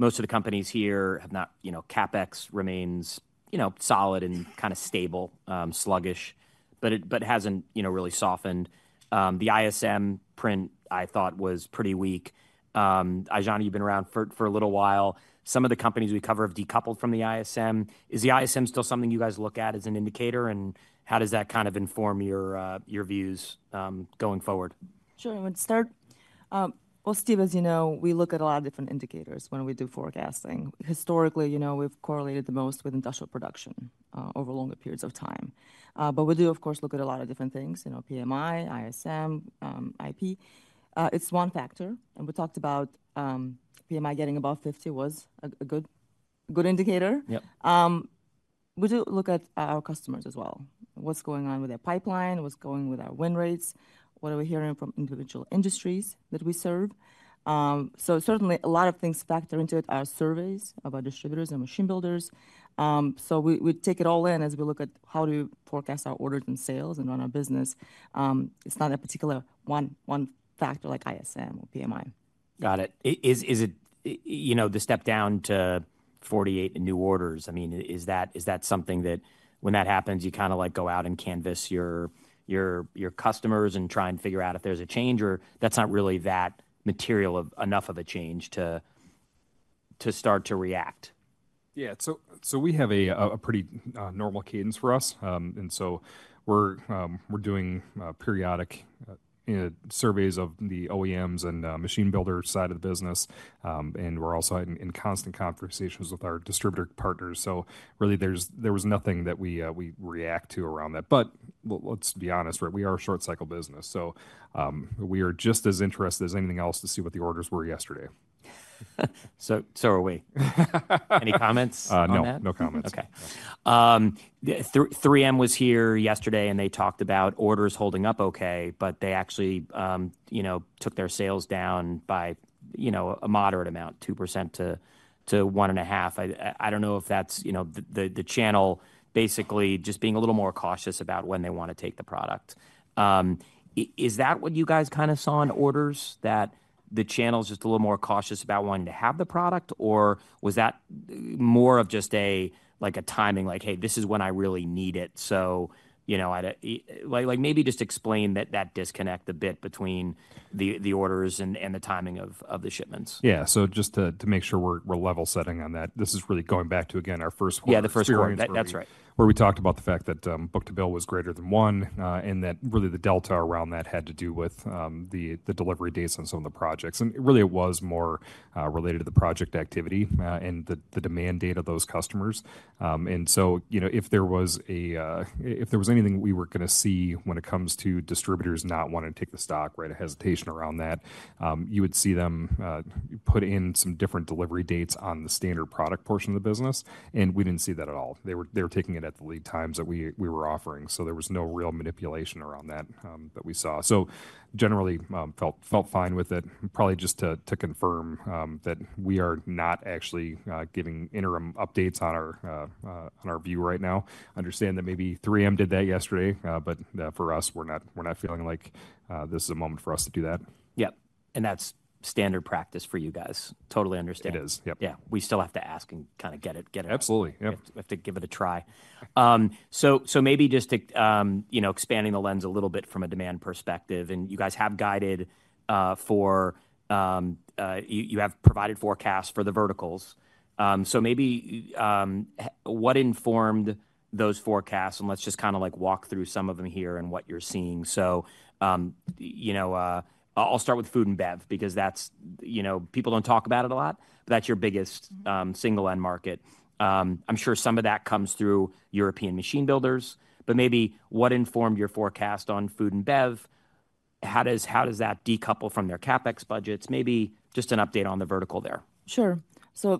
Most of the companies here have not, you know, CapEx remains, you know, solid and kind of stable, sluggish, but it hasn't, you know, really softened. The ISM print I thought was pretty weak. Aijanna, you've been around for a little while. Some of the companies we cover have decoupled from the ISM. Is the ISM still something you guys look at as an indicator and how does that kind of inform your views, going forward? Sure. I would start, Steve, as you know, we look at a lot of different indicators when we do forecasting. Historically, you know, we've correlated the most with industrial production, over longer periods of time. We do, of course, look at a lot of different things, you know, PMI, ISM, IP. It is one factor. We talked about PMI getting above 50 was a good, good indicator. Yep. We do look at our customers as well. What's going on with their pipeline? What's going with our win rates? What are we hearing from individual industries that we serve? Certainly a lot of things factor into it, our surveys about distributors and machine builders. We take it all in as we look at how do we forecast our orders and sales and run our business. It's not a particular one, one factor like ISM or PMI. Got it. Is it, you know, the step down to 48 new orders? I mean, is that, is that something that when that happens, you kind of like go out and canvas your, your customers and try and figure out if there's a change or that's not really that material of enough of a change to, to start to react? Yeah. So we have a pretty normal cadence for us, and so we're doing periodic surveys of the OEMs and machine builder side of the business, and we're also in constant conversations with our distributor partners. So really there was nothing that we react to around that, but let's be honest, right? We are a short cycle business. So we are just as interested as anything else to see what the orders were yesterday. Are we. Any comments on that? No, no comments. Okay. The 3M was here yesterday and they talked about orders holding up okay, but they actually, you know, took their sales down by, you know, a moderate amount, 2% to one and a half. I don't know if that's, you know, the channel basically just being a little more cautious about when they want to take the product. Is that what you guys kind of saw in orders, that the channel's just a little more cautious about wanting to have the product, or was that more of just a timing, like, hey, this is when I really need it? You know, I'd like maybe just explain that disconnect a bit between the orders and the timing of the shipments. Yeah. Just to make sure we're level setting on that, this is really going back to, again, our first quarter. Yeah, the first quarter. That's right. Where we talked about the fact that book-to-bill was greater than one, and that really the delta around that had to do with the delivery dates on some of the projects. It was more related to the project activity and the demand data of those customers. You know, if there was anything we were gonna see when it comes to distributors not wanting to take the stock, right? A hesitation around that, you would see them put in some different delivery dates on the standard product portion of the business and we did not see that at all. They were taking it at the lead times that we were offering. There was no real manipulation around that that we saw. Generally, felt fine with it. Probably just to confirm that we are not actually giving interim updates on our view right now. Understand that maybe 3M did that yesterday, but for us, we're not feeling like this is a moment for us to do that. Yep. And that is standard practice for you guys. Totally understand. It is. Yep. Yeah. We still have to ask and kind of get it, get it. Absolutely. Yep. We have to give it a try. Maybe just to, you know, expanding the lens a little bit from a demand perspective, and you guys have guided, for, you have provided forecasts for the verticals. Maybe, what informed those forecasts? Let's just kind of like walk through some of them here and what you're seeing. You know, I'll start with food and bev because that's, you know, people don't talk about it a lot, but that's your biggest single end market. I'm sure some of that comes through European machine builders, but maybe what informed your forecast on food and bev? How does that decouple from their CapEx budgets? Maybe just an update on the vertical there. Sure.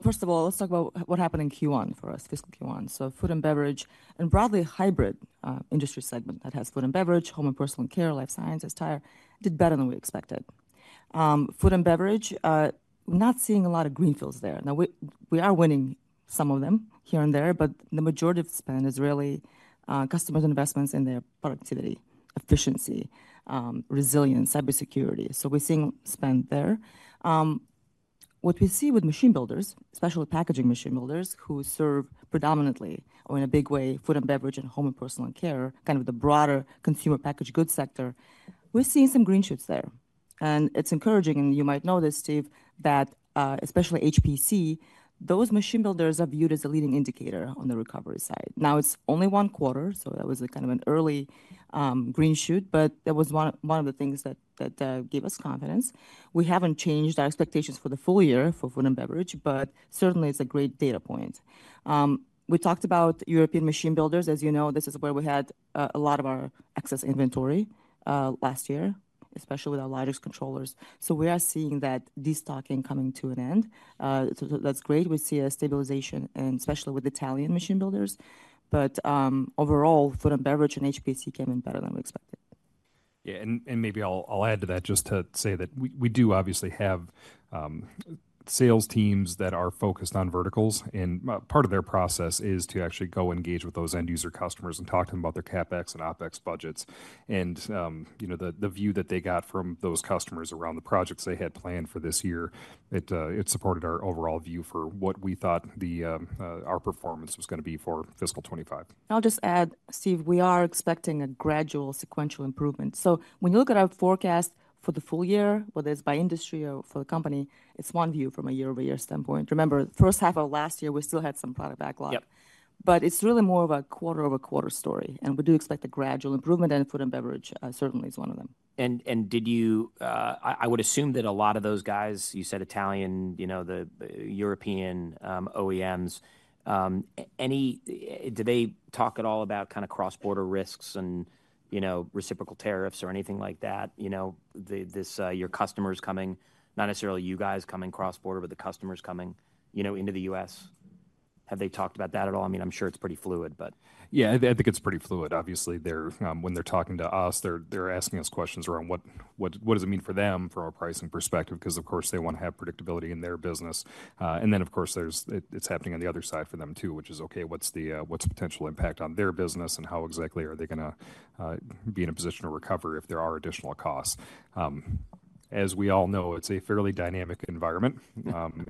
First of all, let's talk about what happened in Q1 for us, fiscal Q1. Food and beverage and broadly hybrid, industry segment that has Food and Beverage, Home and Personal Care, Sife science, Tire did better than we expected. Food and Beverage, not seeing a lot of greenfields there. Now we are winning some of them here and there, but the majority of spend is really customers' investments in their productivity, efficiency, resilience, cybersecurity. We are seeing spend there. What we see with machine builders, especially packaging machine builders who serve predominantly or in a big way, Food and Beverage and home and personal care, kind of the broader consumer packaged goods sector, we are seeing some green shoots there. It's encouraging, and you might notice, Steve, that especially HPC, those machine builders are viewed as a leading indicator on the recovery side. Now it's only one quarter. That was a kind of an early, green shoot, but that was one of the things that gave us confidence. We haven't changed our expectations for the full year for Food and Beverage, but certainly it's a great data point. We talked about European machine builders. As you know, this is where we had a lot of our excess inventory last year, especially with our largest controllers. We are seeing that destocking coming to an end. That's great. We see a stabilization, especially with Italian machine builders. Overall, Food and Beverage and HPC came in better than we expected. Yeah. Maybe I'll add to that just to say that we do obviously have sales teams that are focused on verticals and part of their Process is to actually go engage with those end user customers and talk to 'em about their CapEx and OpEx budgets. You know, the view that they got from those customers around the projects they had planned for this year, it supported our overall view for what we thought our performance was gonna be for fiscal 2025. I'll just add, Steve, we are expecting a gradual sequential improvement. When you look at our forecast for the full year, whether it's by industry or for the company, it's one view from a year-over-year standpoint. Remember, first half of last year, we still had some product backlog. Yep. It is really more of a quarter-over-quarter story. We do expect a gradual improvement, and Food and Beverage certainly is one of them. Did you, I would assume that a lot of those guys, you said Italian, you know, the European OEMs, do they talk at all about kind of cross-border risks and, you know, reciprocal tariffs or anything like that? You know, your customers coming, not necessarily you guys coming cross-border, but the customers coming, you know, into the U.S., have they talked about that at all? I mean, I'm sure it's pretty fluid, but. Yeah, I think it's pretty fluid. Obviously they're, when they're talking to us, they're asking us questions around what, what does it mean for them from a pricing perspective? 'Cause of course they wanna have predictability in their business. Then of course it's happening on the other side for them too, which is, okay, what's the, what's the potential impact on their business and how exactly are they gonna be in a position to recover if there are additional costs? As we all know, it's a fairly dynamic environment,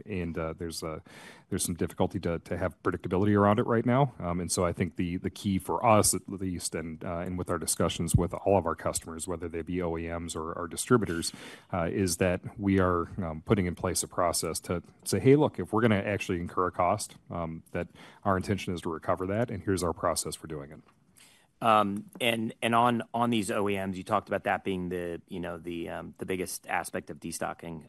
and there's some difficulty to have predictability around it right now. I think the key for us at least, and with our discussions with all of our customers, whether they be OEMs or our distributors, is that we are putting in place a Process to say, hey, look, if we're gonna actually incur a cost, that our intention is to recover that, and here's our Process for doing it. and on these OEMs, you talked about that being the, you know, the biggest aspect of destocking.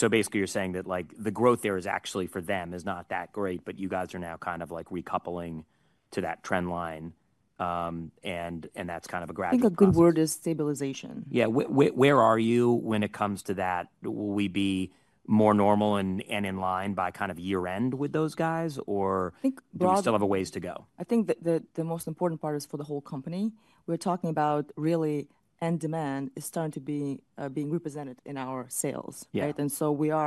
basically you're saying that like the growth there is actually for them is not that great, but you guys are now kind of like recoupling to that trend line. and that's kind of a gradual thing. I think a good word is stabilization. Yeah. Where are you when it comes to that? Will we be more normal and in line by kind of year-end with those guys or do you still have a ways to go? I think the most important part is for the whole company. We're talking about really end demand is starting to be, being represented in our sales. Yeah. Right?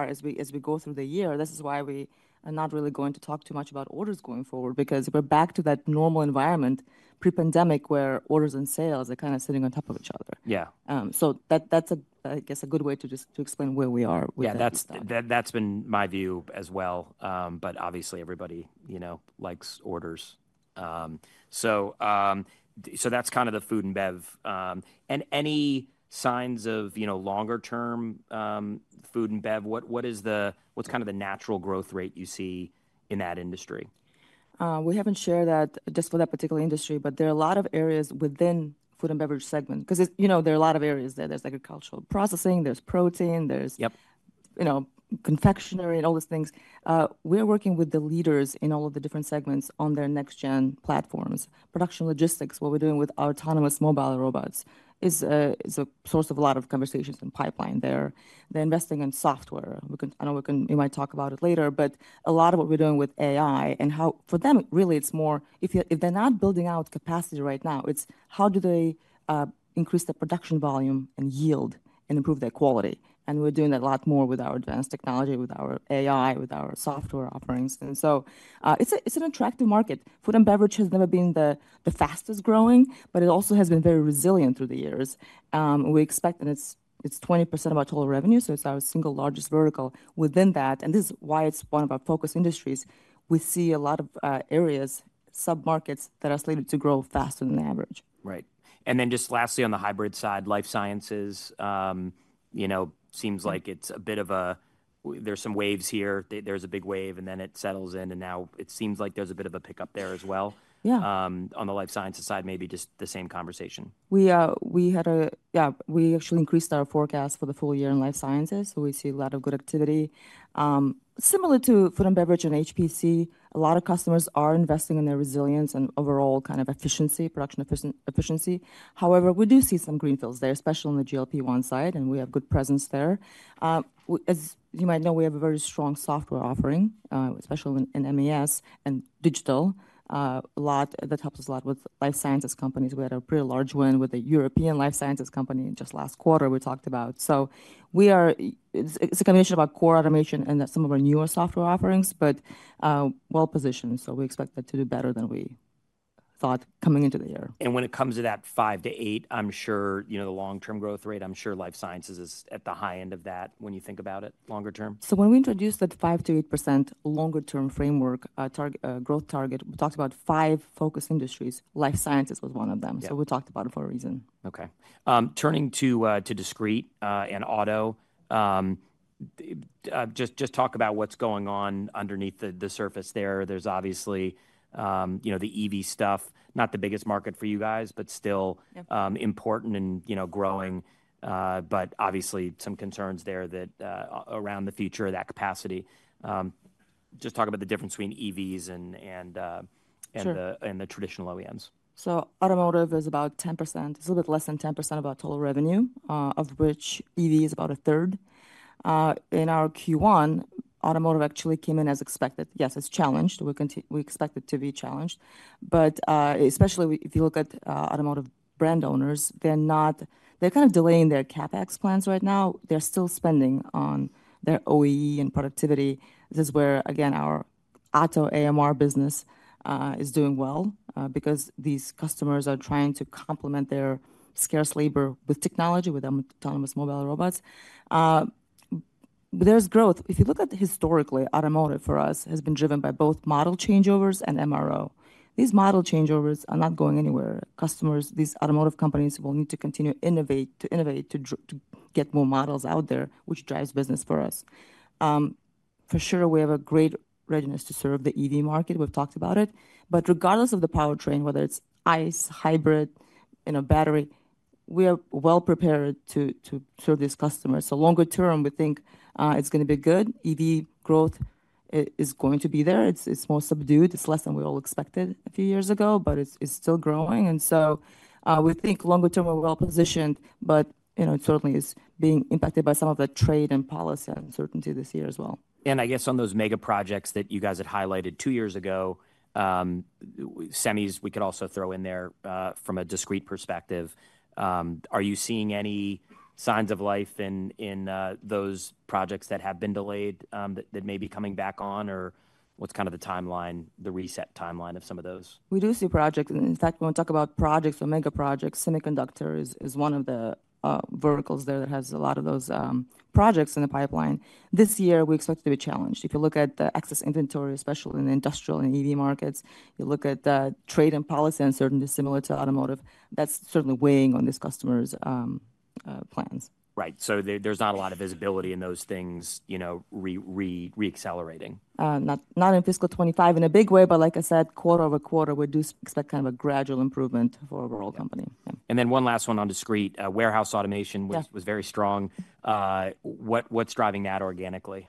As we go through the year, this is why we are not really going to talk too much about orders going forward, because if we are back to that normal environment pre-pandemic where orders and sales are kind of sitting on top of each other. Yeah. That, that's a, I guess, a good way to just to explain where we are with that stuff. Yeah, that's been my view as well. Obviously everybody, you know, likes orders. That's kind of the food and bev. Any signs of, you know, longer term, food and bev? What is the natural growth rate you see in that industry? We haven't shared that just for that particular industry, but there are a lot of areas within the food and beverage segment. 'Cause it's, you know, there are a lot of areas there. There's agricultural processing, there's protein, there's. Yep. You know, confectionery and all those things. We are working with the leaders in all of the different segments on their next gen platforms, production logistics, what we're doing with autonomous mobile robots is a source of a lot of conversations and pipeline there. They're investing in software. I know we can, we might talk about it later, but a lot of what we're doing with AI and how for them really it's more if you, if they're not building out capacity right now, it's how do they increase their production volume and yield and improve their quality. We're doing that a lot more with our advanced technology, with our AI, with our software offerings. It's an attractive market. Food and beverage has never been the fastest growing, but it also has been very resilient through the years. We expect that it's 20% of our total revenue. It is our single largest vertical within that. This is why it's one of our focus industries. We see a lot of areas, sub-markets that are slated to grow faster than the average. Right. Lastly, on the hybrid side, Life Sciences, you know, seems like it's a bit of a, there's some waves here, there's a big wave and then it settles in and now it seems like there's a bit of a pickup there as well. Yeah. On the Life Sciences side, maybe just the same conversation. We had a, yeah, we actually increased our forecast for the full year in Life Sciences. We see a lot of good activity, similar to food and beverage and HPC. A lot of customers are investing in their resilience and overall kind of efficiency, production efficiency. However, we do see some greenfields there, especially on the GLP-1 side, and we have good presence there. As you might know, we have a very strong software offering, especially in MES and digital, a lot that helps us a lot with Life Sciences companies. We had a pretty large win with a European Life Sciences company just last quarter we talked about. It is a combination of our core automation and some of our newer software offerings, but well positioned. We expect that to do better than we thought coming into the year. When it comes to that five to eight, I'm sure, you know, the long-term growth rate, I'm sure Life Sciences is at the high end of that when you think about it longer term. When we introduced that 5-8% longer term framework, target, growth target, we talked about five focus industries. Life Sciences was one of them. Yeah. We talked about it for a reason. Okay. Turning to discrete and auto, just talk about what's going on underneath the surface there. There's obviously, you know, the EV stuff, not the biggest market for you guys, but still. Yep. important and, you know, growing. Yeah. Obviously some concerns there around the future of that capacity. Just talk about the difference between EVs and the traditional OEMs. Automotive is about 10%, a little bit less than 10% of our total revenue, of which EV is about a third. In our Q1, Automotive actually came in as expected. Yes, it's challenged. We continue, we expect it to be challenged. Especially if you look at automotive brand owners, they're not, they're kind of delaying their CapEx plans right now. They're still spending on their OEE and productivity. This is where, again, our OTTO AMR business is doing well, because these customers are trying to complement their scarce labor with technology with autonomous mobile robots. There's growth. If you look at historically, Automotive for us has been driven by both model changeovers and MRO. These model changeovers are not going anywhere. Customers, these automotive companies will need to continue to innovate to get more models out there, which drives business for us. For sure, we have a great readiness to serve the EV market. We've talked about it, but regardless of the powertrain, whether it's ICE, hybrid, you know, battery, we are well prepared to serve these customers. Longer term, we think it's gonna be good. EV growth, it is going to be there. It's more subdued. It's less than we all expected a few years ago, but it's still growing. We think longer term we're well positioned, but, you know, it certainly is being impacted by some of the trade and policy uncertainty this year as well. I guess on those mega projects that you guys had highlighted two years ago, semis, we could also throw in there, from a discrete perspective. Are you seeing any signs of life in those projects that have been delayed, that may be coming back on, or what's kind of the timeline, the reset timeline of some of those? We do see projects. In fact, when we talk about projects or mega projects, semiconductors is one of the verticals there that has a lot of those projects in the pipeline. This year we expect to be challenged. If you look at the excess inventory, especially in industrial and EV markets, you look at the trade and policy uncertainty similar to automotive, that's certainly weighing on these customers' plans. Right. There is not a lot of visibility in those things, you know, re-accelerating. not, not in fiscal 2025 in a big way, but like I said, quarter over quarter, we do expect kind of a gradual improvement for a world company. One last one on discrete, warehouse automation was very strong. What, what's driving that organically?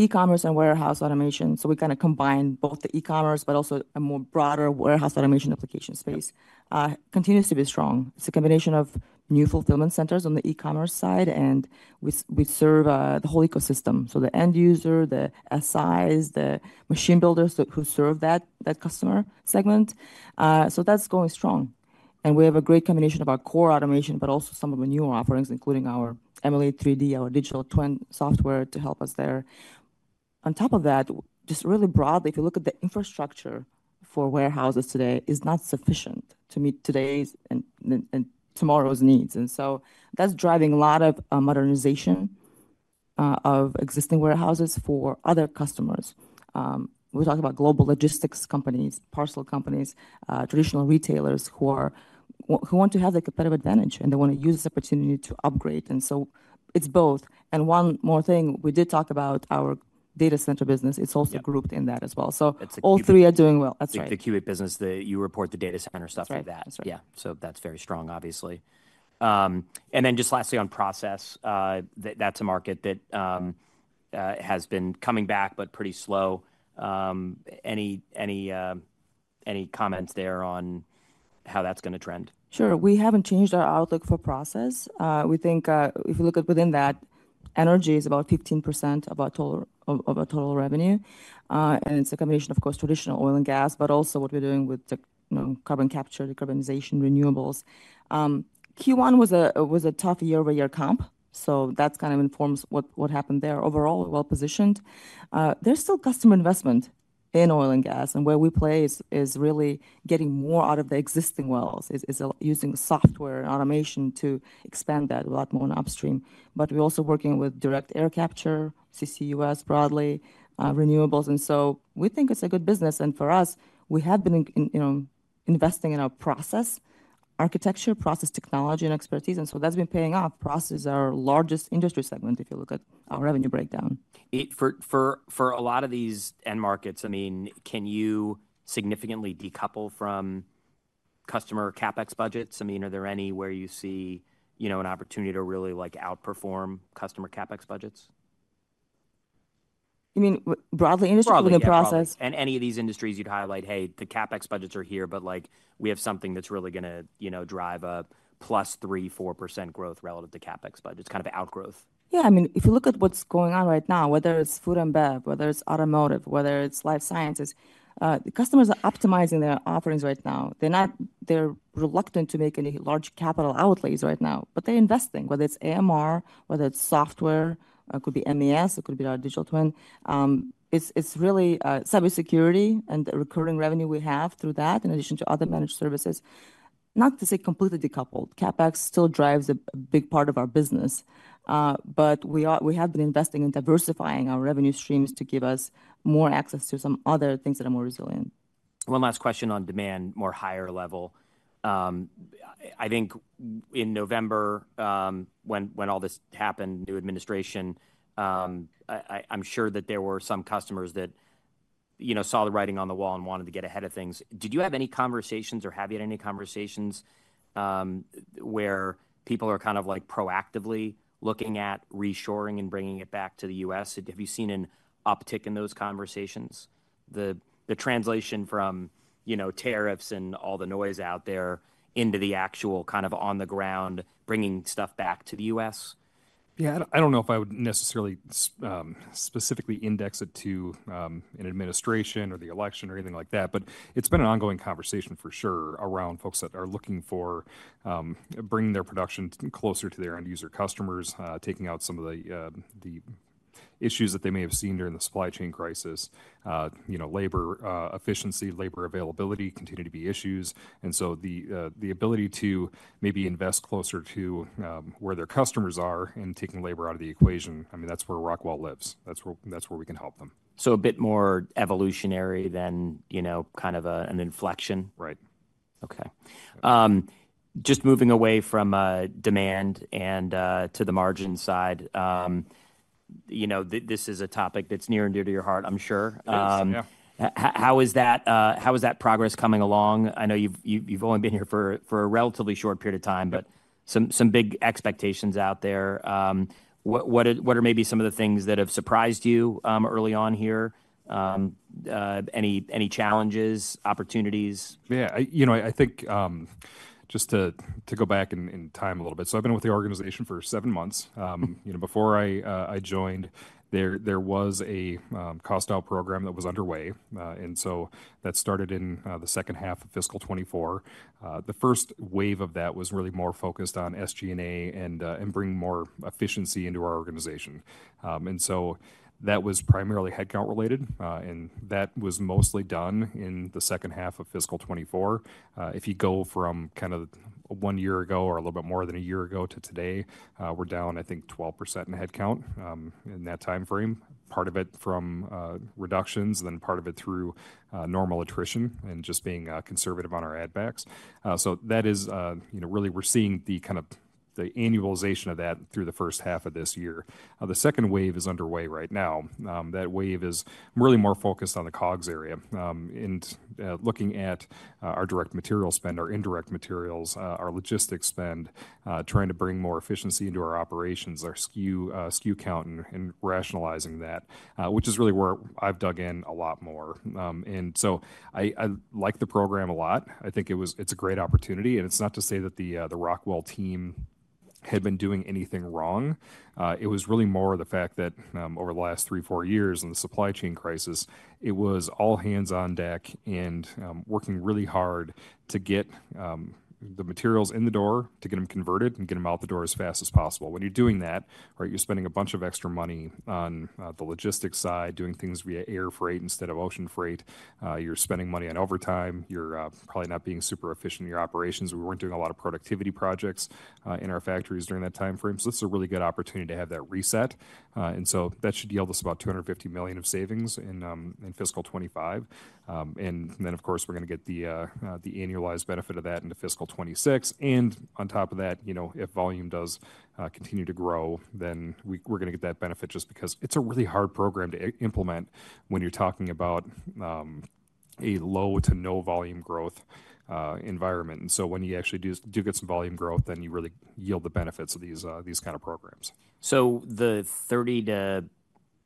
E-commerce and warehouse automation. We kind of combine both the e-commerce, but also a more broader warehouse automation application space, continues to be strong. It's a combination of new fulfillment centers on the e-commerce side, and we serve the whole ecosystem. The end user, the SIs, the machine builders who serve that customer segment. That's going strong. We have a great combination of our core automation, but also some of the newer offerings, including our Emulate3D, our digital twin software to help us there. On top of that, just really broadly, if you look at the infrastructure for warehouses today, it's not sufficient to meet today's and tomorrow's needs. That's driving a lot of modernization of existing warehouses for other customers. We're talking about global logistics companies, parcel companies, traditional retailers who are, who want to have the competitive advantage and they wanna use this opportunity to upgrade. It's both. One more thing, we did talk about our data center business. It's also grouped in that as well. All three are doing well. That's right. The Cubic business, you report the data center stuff like that. Right. That's right. Yeah. That is very strong, obviously. And then just lastly on Process, that is a market that has been coming back, but pretty slow. Any comments there on how that is gonna trend? Sure. We haven't changed our outlook for Process. We think, if you look at within that, energy is about 15% of our total, of our total revenue. And it's a combination, of course, traditional oil and gas, but also what we're doing with the, you know, carbon capture, decarbonization, renewables. Q1 was a, was a tough year-over-year comp. That kind of informs what happened there. Overall, well positioned. There's still customer investment in oil and gas. Where we place is really getting more out of the existing wells, is using software automation to expand that a lot more on upstream. We're also working with direct air capture, CCUS broadly, renewables. We think it's a good business. For us, we have been investing in our Process architecture, Process technology, and expertise. That's been paying off. Process is our largest industry segment if you look at our revenue breakdown. For a lot of these end markets, I mean, can you significantly decouple from customer CapEx budgets? I mean, are there any where you see, you know, an opportunity to really like outperform customer CapEx budgets? You mean broadly industry or Process? Broadly. Any of these industries you'd highlight, hey, the CapEx budgets are here, but like we have something that's really gonna, you know, drive a plus 3-4% growth relative to CapEx budgets, kind of outgrowth. Yeah. I mean, if you look at what's going on right now, whether it's food and bev, whether it's automotive, whether it's Life Sciences, the customers are optimizing their offerings right now. They're not, they're reluctant to make any large capital outlays right now, but they're investing, whether it's AMR, whether it's software, could be MES, it could be our digital twin. It's really cybersecurity and the recurring revenue we have through that in addition to other managed services. Not to say completely decoupled. CapEx still drives a big part of our business. We have been investing in diversifying our revenue streams to give us more access to some other things that are more resilient. One last question on demand, more higher level. I think in November, when all this happened, new administration, I, I'm sure that there were some customers that, you know, saw the writing on the wall and wanted to get ahead of things. Did you have any conversations or have you had any conversations, where people are kind of like proactively looking at reshoring and bringing it back to the U.S.? Have you seen an uptick in those conversations, the translation from, you know, tariffs and all the noise out there into the actual kind of on the ground, bringing stuff back to the U.S.? Yeah. I don't know if I would necessarily, specifically index it to an administration or the election or anything like that, but it's been an ongoing conversation for sure around folks that are looking for bringing their production closer to their end user customers, taking out some of the issues that they may have seen during the supply chain crisis. You know, labor, efficiency, labor availability continue to be issues. And so the ability to maybe invest closer to where their customers are and taking labor out of the equation. I mean, that's where Rockwell lives. That's where, that's where we can help them. A bit more evolutionary than, you know, kind of an inflection? Right. Okay. Just moving away from demand and to the margin side, you know, this is a topic that's near and dear to your heart, I'm sure. Absolutely. Yeah. How is that progress coming along? I know you've only been here for a relatively short period of time, but some big expectations out there. What are maybe some of the things that have surprised you early on here? Any challenges, opportunities? Yeah. I, you know, I think, just to go back in time a little bit. I have been with the organization for seven months. You know, before I joined, there was a cost out program that was underway. That started in the second half of fiscal 2024. The first wave of that was really more focused on SG&A and bringing more efficiency into our organization. That was primarily headcount related, and that was mostly done in the second half of fiscal 2024. If you go from kind of one year ago or a little bit more than a year ago to today, we are down, I think, 12% in headcount in that timeframe. Part of it from reductions and then part of it through normal attrition and just being conservative on our add backs. That is, you know, really we're seeing the kind of the annualization of that through the first half of this year. The second wave is underway right now. That wave is really more focused on the COGS area. And, looking at our direct material spend, our indirect materials, our logistics spend, trying to bring more efficiency into our operations, our SKU, SKU count and, and rationalizing that, which is really where I've dug in a lot more. I like the program a lot. I think it was, it's a great opportunity. It's not to say that the Rockwell team had been doing anything wrong. It was really more of the fact that, over the last three, four years and the supply chain crisis, it was all hands on deck and, working really hard to get, the materials in the door, to get 'em converted and get 'em out the door as fast as possible. When you're doing that, right, you're spending a bunch of extra money on, the logistics side, doing things via air freight instead of ocean freight. You're spending money on overtime. You're probably not being super efficient in your operations. We weren't doing a lot of productivity projects, in our factories during that timeframe. This is a really good opportunity to have that reset. That should yield us about $250 million of savings in fiscal 2025. Of course, we're gonna get the annualized benefit of that into fiscal 2026. On top of that, you know, if volume does continue to grow, then we are gonna get that benefit just because it is a really hard program to implement when you are talking about a low to no volume growth environment. When you actually do get some volume growth, then you really yield the benefits of these kind of programs. The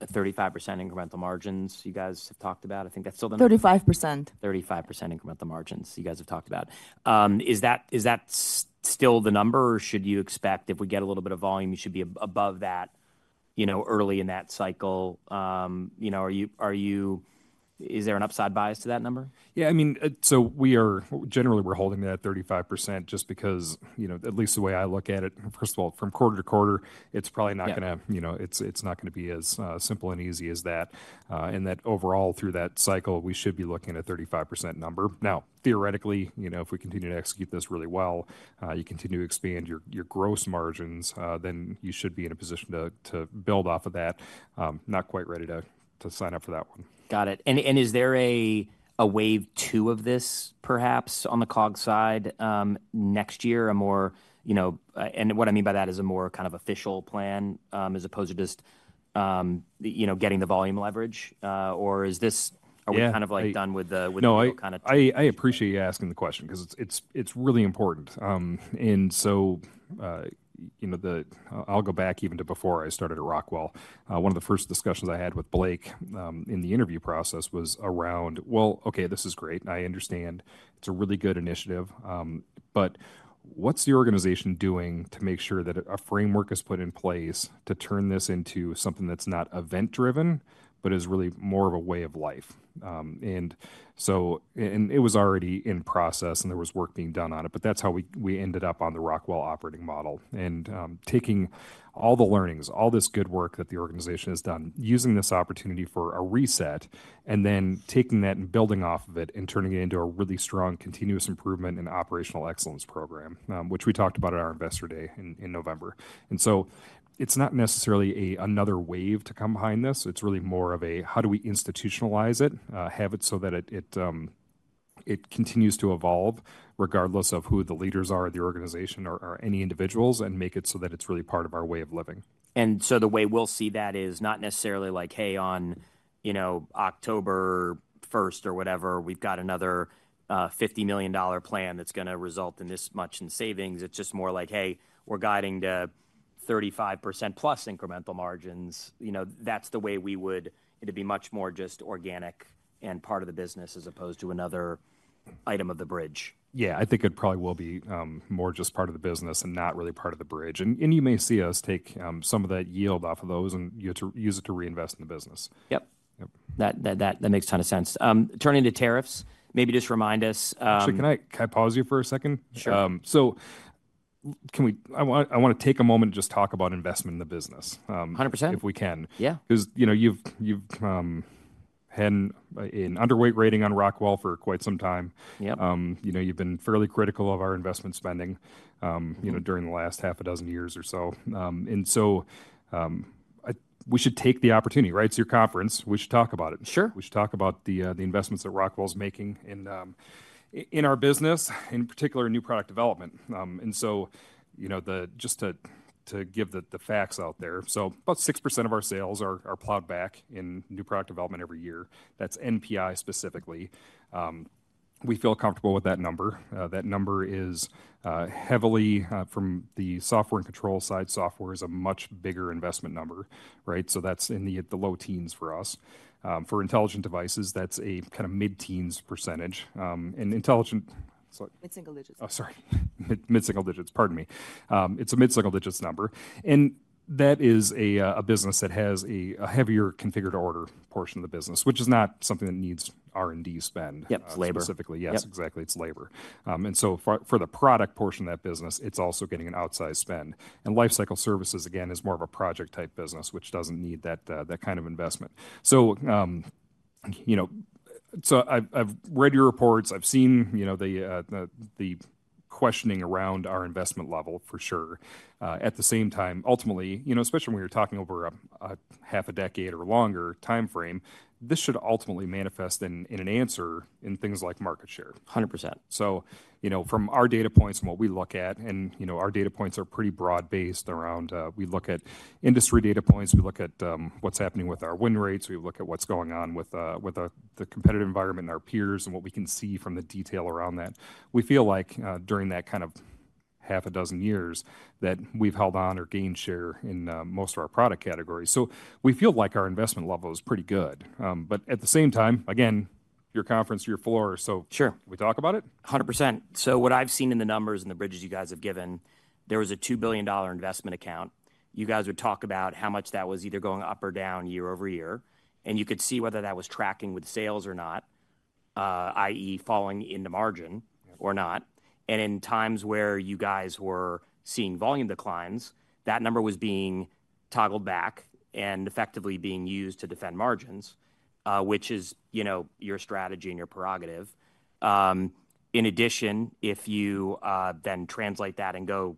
30-35% incremental margins you guys have talked about, I think that's still the number. 35%. 35% incremental margins you guys have talked about. Is that, is that still the number or should you expect if we get a little bit of volume, you should be above that, you know, early in that cycle? You know, are you, are you, is there an upside bias to that number? Yeah. I mean, we are generally, we're holding that 35% just because, you know, at least the way I look at it, first of all, from quarter to quarter, it's probably not gonna, you know, it's not gonna be as simple and easy as that. And that overall through that cycle, we should be looking at a 35% number. Now, theoretically, you know, if we continue to execute this really well, you continue to expand your gross margins, then you should be in a position to build off of that. Not quite ready to sign up for that one. Got it. Is there a wave two of this perhaps on the COGS side next year, a more, you know, and what I mean by that is a more kind of official plan, as opposed to just, you know, getting the volume leverage, or is this, are we kind of like done with the whole kind of? No, I appreciate you asking the question 'cause it's really important. You know, I'll go back even to before I started at Rockwell. One of the first discussions I had with Blake in the interview Process was around, okay, this is great. I understand it's a really good initiative. What's the organization doing to make sure that a framework is put in place to turn this into something that's not event driven, but is really more of a way of life? and so, it was already in Process and there was work being done on it, but that's how we ended up on the Rockwell Operating Model and, taking all the learnings, all this good work that the organization has done, using this opportunity for a reset and then taking that and building off of it and turning it into a really strong continuous improvement and operational excellence program, which we talked about at our Investor Day in November. It is not necessarily another wave to come behind this. It is really more of a, how do we institutionalize it, have it so that it continues to evolve regardless of who the leaders are of the organization or any individuals and make it so that it's really part of our way of living. The way we'll see that is not necessarily like, hey, on, you know, October 1 or whatever, we've got another $50 million plan that's gonna result in this much in savings. It's just more like, hey, we're guiding to 35% plus incremental margins. You know, that's the way we would, it'd be much more just organic and part of the business as opposed to another item of the bridge. Yeah. I think it probably will be more just part of the business and not really part of the bridge. You may see us take some of that yield off of those and use it to reinvest in the business. Yep. Yep. That makes a ton of sense. Turning to tariffs, maybe just remind us, Actually, can I pause you for a second? Sure. Can we, I want, I wanna take a moment and just talk about investment in the business, A hundred percent. If we can. Yeah. 'Cause, you know, you've had an underweight rating on Rockwell for quite some time. Yep. You know, you've been fairly critical of our investment spending, you know, during the last half a dozen years or so. And so, I, we should take the opportunity, right? It's your conference. We should talk about it. Sure. We should talk about the investments that Rockwell's making in our business, in particular, in new product development. And so, you know, just to give the facts out there. About 6% of our sales are plowed back in new product development every year. That's NPI specifically. We feel comfortable with that number. That number is heavily from the software control side, Software is a much bigger investment number, right? That's in the low teens for us. For Intelligent Devices, that's a kind of mid-teens percentage. And intelligent. Mid-single digits. Oh, sorry. Mid-single digits. Pardon me. It's a mid-single digits number. And that is a business that has a heavier configured order portion of the business, which is not something that needs R&D spend. Yep. Labor. Specifically. Yes, exactly. It's labor. And so for the product portion of that business, it's also getting an outside spend. And Lifecycle Services, again, is more of a project type business, which doesn't need that kind of investment. You know, I've read your reports, I've seen the questioning around our investment level for sure. At the same time, ultimately, especially when you're talking over a half a decade or longer timeframe, this should ultimately manifest in an answer in things like market share. A hundred percent. You know, from our data points and what we look at, and, you know, our data points are pretty broad based around, we look at industry data points, we look at what's happening with our win rates, we look at what's going on with the competitive environment and our peers and what we can see from the detail around that. We feel like, during that kind of half a dozen years that we've held on or gained share in most of our product categories. We feel like our investment level is pretty good. At the same time, again, your conference, your floor. Sure. We talk about it? A hundred percent. What I've seen in the numbers and the bridges you guys have given, there was a $2 billion investment account. You guys would talk about how much that was either going up or down year over year, and you could see whether that was tracking with sales or not, i.e. falling in the margin or not. In times where you guys were seeing volume declines, that number was being toggled back and effectively being used to defend margins, which is, you know, your strategy and your prerogative. In addition, if you then translate that and go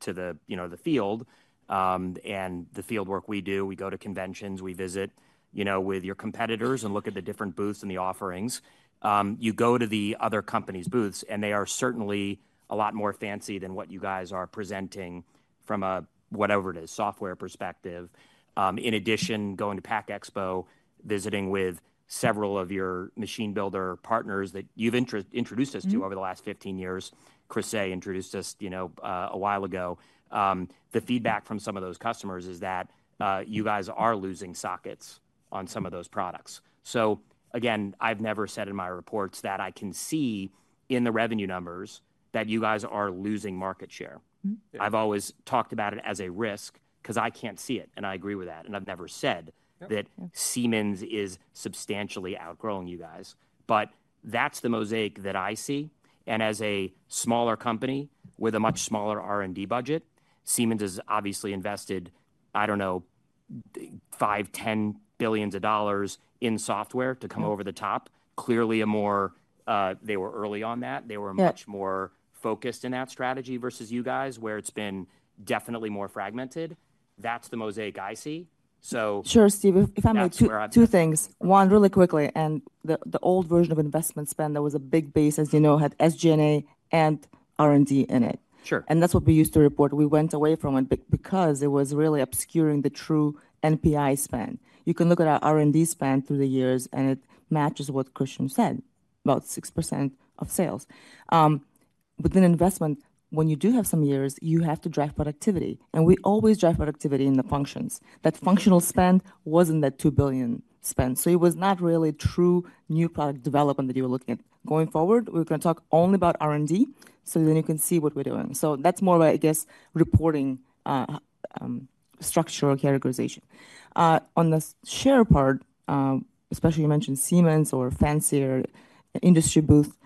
to the, you know, the field, and the field work we do, we go to conventions, we visit, you know, with your competitors and look at the different booths and the offerings. You go to the other company's booths and they are certainly a lot more fancy than what you guys are presenting from a, whatever it is, software perspective. In addition, going to Pack Expo, visiting with several of your machine builder partners that you've introduced us to over the last 15 years, Chris Hart introduced us, you know, a while ago. The feedback from some of those customers is that you guys are losing sockets on some of those products. I have never said in my reports that I can see in the revenue numbers that you guys are losing market share. I have always talked about it as a risk 'cause I can't see it. I agree with that. I have never said that Siemens is substantially outgrowing you guys, but that's the mosaic that I see. As a smaller company with a much smaller R&D budget, Siemens has obviously invested, I don't know, $5 billion-$10 billion in software to come over the top. Clearly a more, they were early on that. They were much more focused in that strategy versus you guys where it's been definitely more fragmented. That's the mosaic I see. Sure, Steve. If I may. That's where I am. Add two things. One really quickly. The old version of investment spend, there was a big base, as you know, had SG&A and R&D in it. Sure. That is what we used to report. We went away from it because it was really obscuring the true NPI spend. You can look at our R&D spend through the years and it matches what Christian said, about 6% of sales. Within investment, when you do have some years, you have to drive productivity. We always drive productivity in the functions. That functional spend was not that $2 billion spend. It was not really true new product development that you were looking at. Going forward, we are going to talk only about R&D so then you can see what we are doing. That is more of, I guess, reporting, structural categorization. On the share part, especially you mentioned Siemens or fancier industry booth.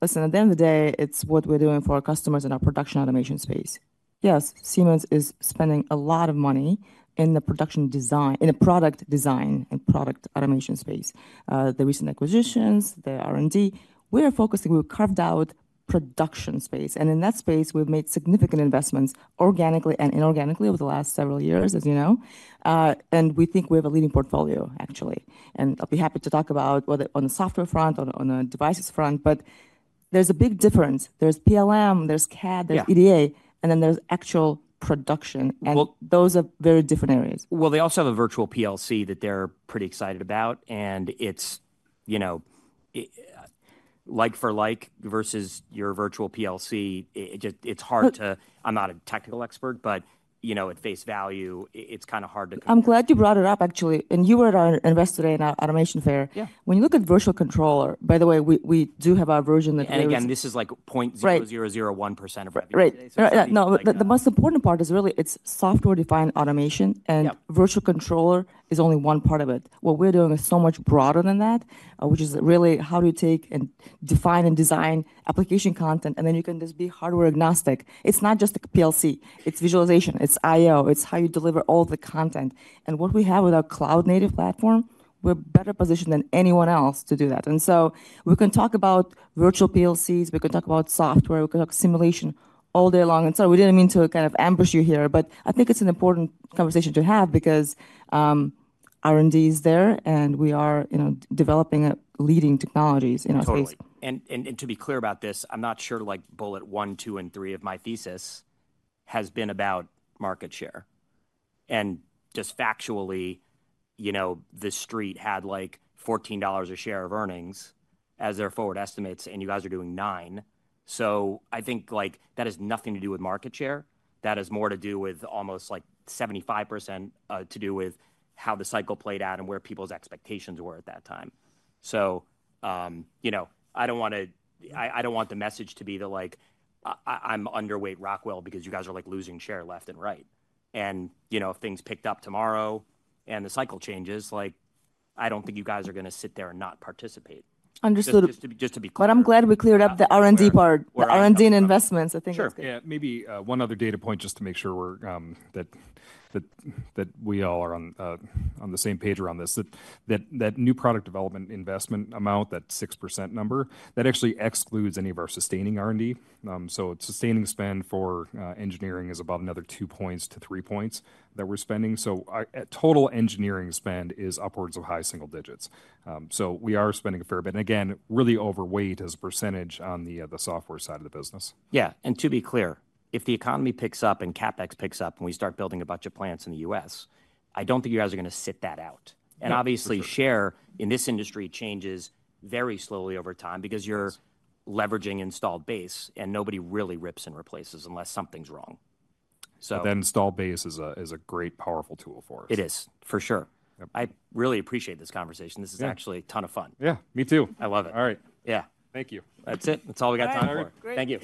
Listen, at the end of the day, it is what we are doing for our customers in our production automation space. Yes, Siemens is spending a lot of money in the production design, in the product design and product automation space. The recent acquisitions, the R&D, we are focusing, we've carved out production space. In that space, we've made significant investments organically and inorganically over the last several years, as you know. We think we have a leading portfolio actually. I'll be happy to talk about whether on the software front, on a devices front, but there's a big difference. There's PLM, there's CAD, there's EDA, and then there's actual production. Those are very different areas. They also have a virtual PLC that they're pretty excited about. And it's, you know, like for like versus your virtual PLC, it just, it's hard to, I'm not a technical expert, but, you know, at face value, it's kind of hard to. I'm glad you brought it up actually. You were at our Investor Day in our Automation air. Yeah. When you look at virtual controller, by the way, we do have our version that. This is like 0.0001% of what you're saying. Right. Right. No, the most important part is really it's software defined automation and virtual controller is only one part of it. What we are doing is so much broader than that, which is really how do you take and define and design application content and then you can just be hardware agnostic. It's not just a PLC, it's visualization, it's I/O, it's how you deliver all the content. What we have with our cloud native platform, we're better positioned than anyone else to do that. We can talk about virtual PLCs, we can talk about software, we can talk simulation all day long. We did not mean to kind of ambush you here, but I think it's an important conversation to have because R&D is there and we are, you know, developing leading technologies in our space. Totally. And to be clear about this, I'm not sure like bullet one, two, and three of my thesis has been about market share. Just factually, you know, the street had like $14 a share of earnings as their forward estimates and you guys are doing nine. I think like that has nothing to do with market share. That has more to do with almost like 75% to do with how the cycle played out and where people's expectations were at that time. You know, I don't want to, I don't want the message to be that like, I'm underweight Rockwell because you guys are like losing share left and right. You know, if things picked up tomorrow and the cycle changes, like I don't think you guys are gonna sit there and not participate. Understood. Just to be clear. I'm glad we cleared up the R&D part. Yeah. The R&D and investments, I think. Sure. Yeah. Maybe, one other data point just to make sure we're, that we all are on the same page around this, that new product development investment amount, that 6% number, that actually excludes any of our sustaining R&D. Sustaining spend for engineering is above another two points to three points that we're spending. Our total engineering spend is upwards of high single digits. We are spending a fair bit. Again, really overweight as a percentage on the software side of the business. Yeah. To be clear, if the economy picks up and CapEx picks up and we start building a bunch of plants in the U.S., I don't think you guys are gonna sit that out. Obviously, share in this industry changes very slowly over time because you're leveraging installed base and nobody really rips and replaces unless something's wrong. That installed base is a, is a great powerful tool for us. It is for sure. Yep. I really appreciate this conversation. This is actually a ton of fun. Yeah. Me too. I love it. All right. Yeah. Thank you. That's it. That's all we got time for. All right. Great. Thank you.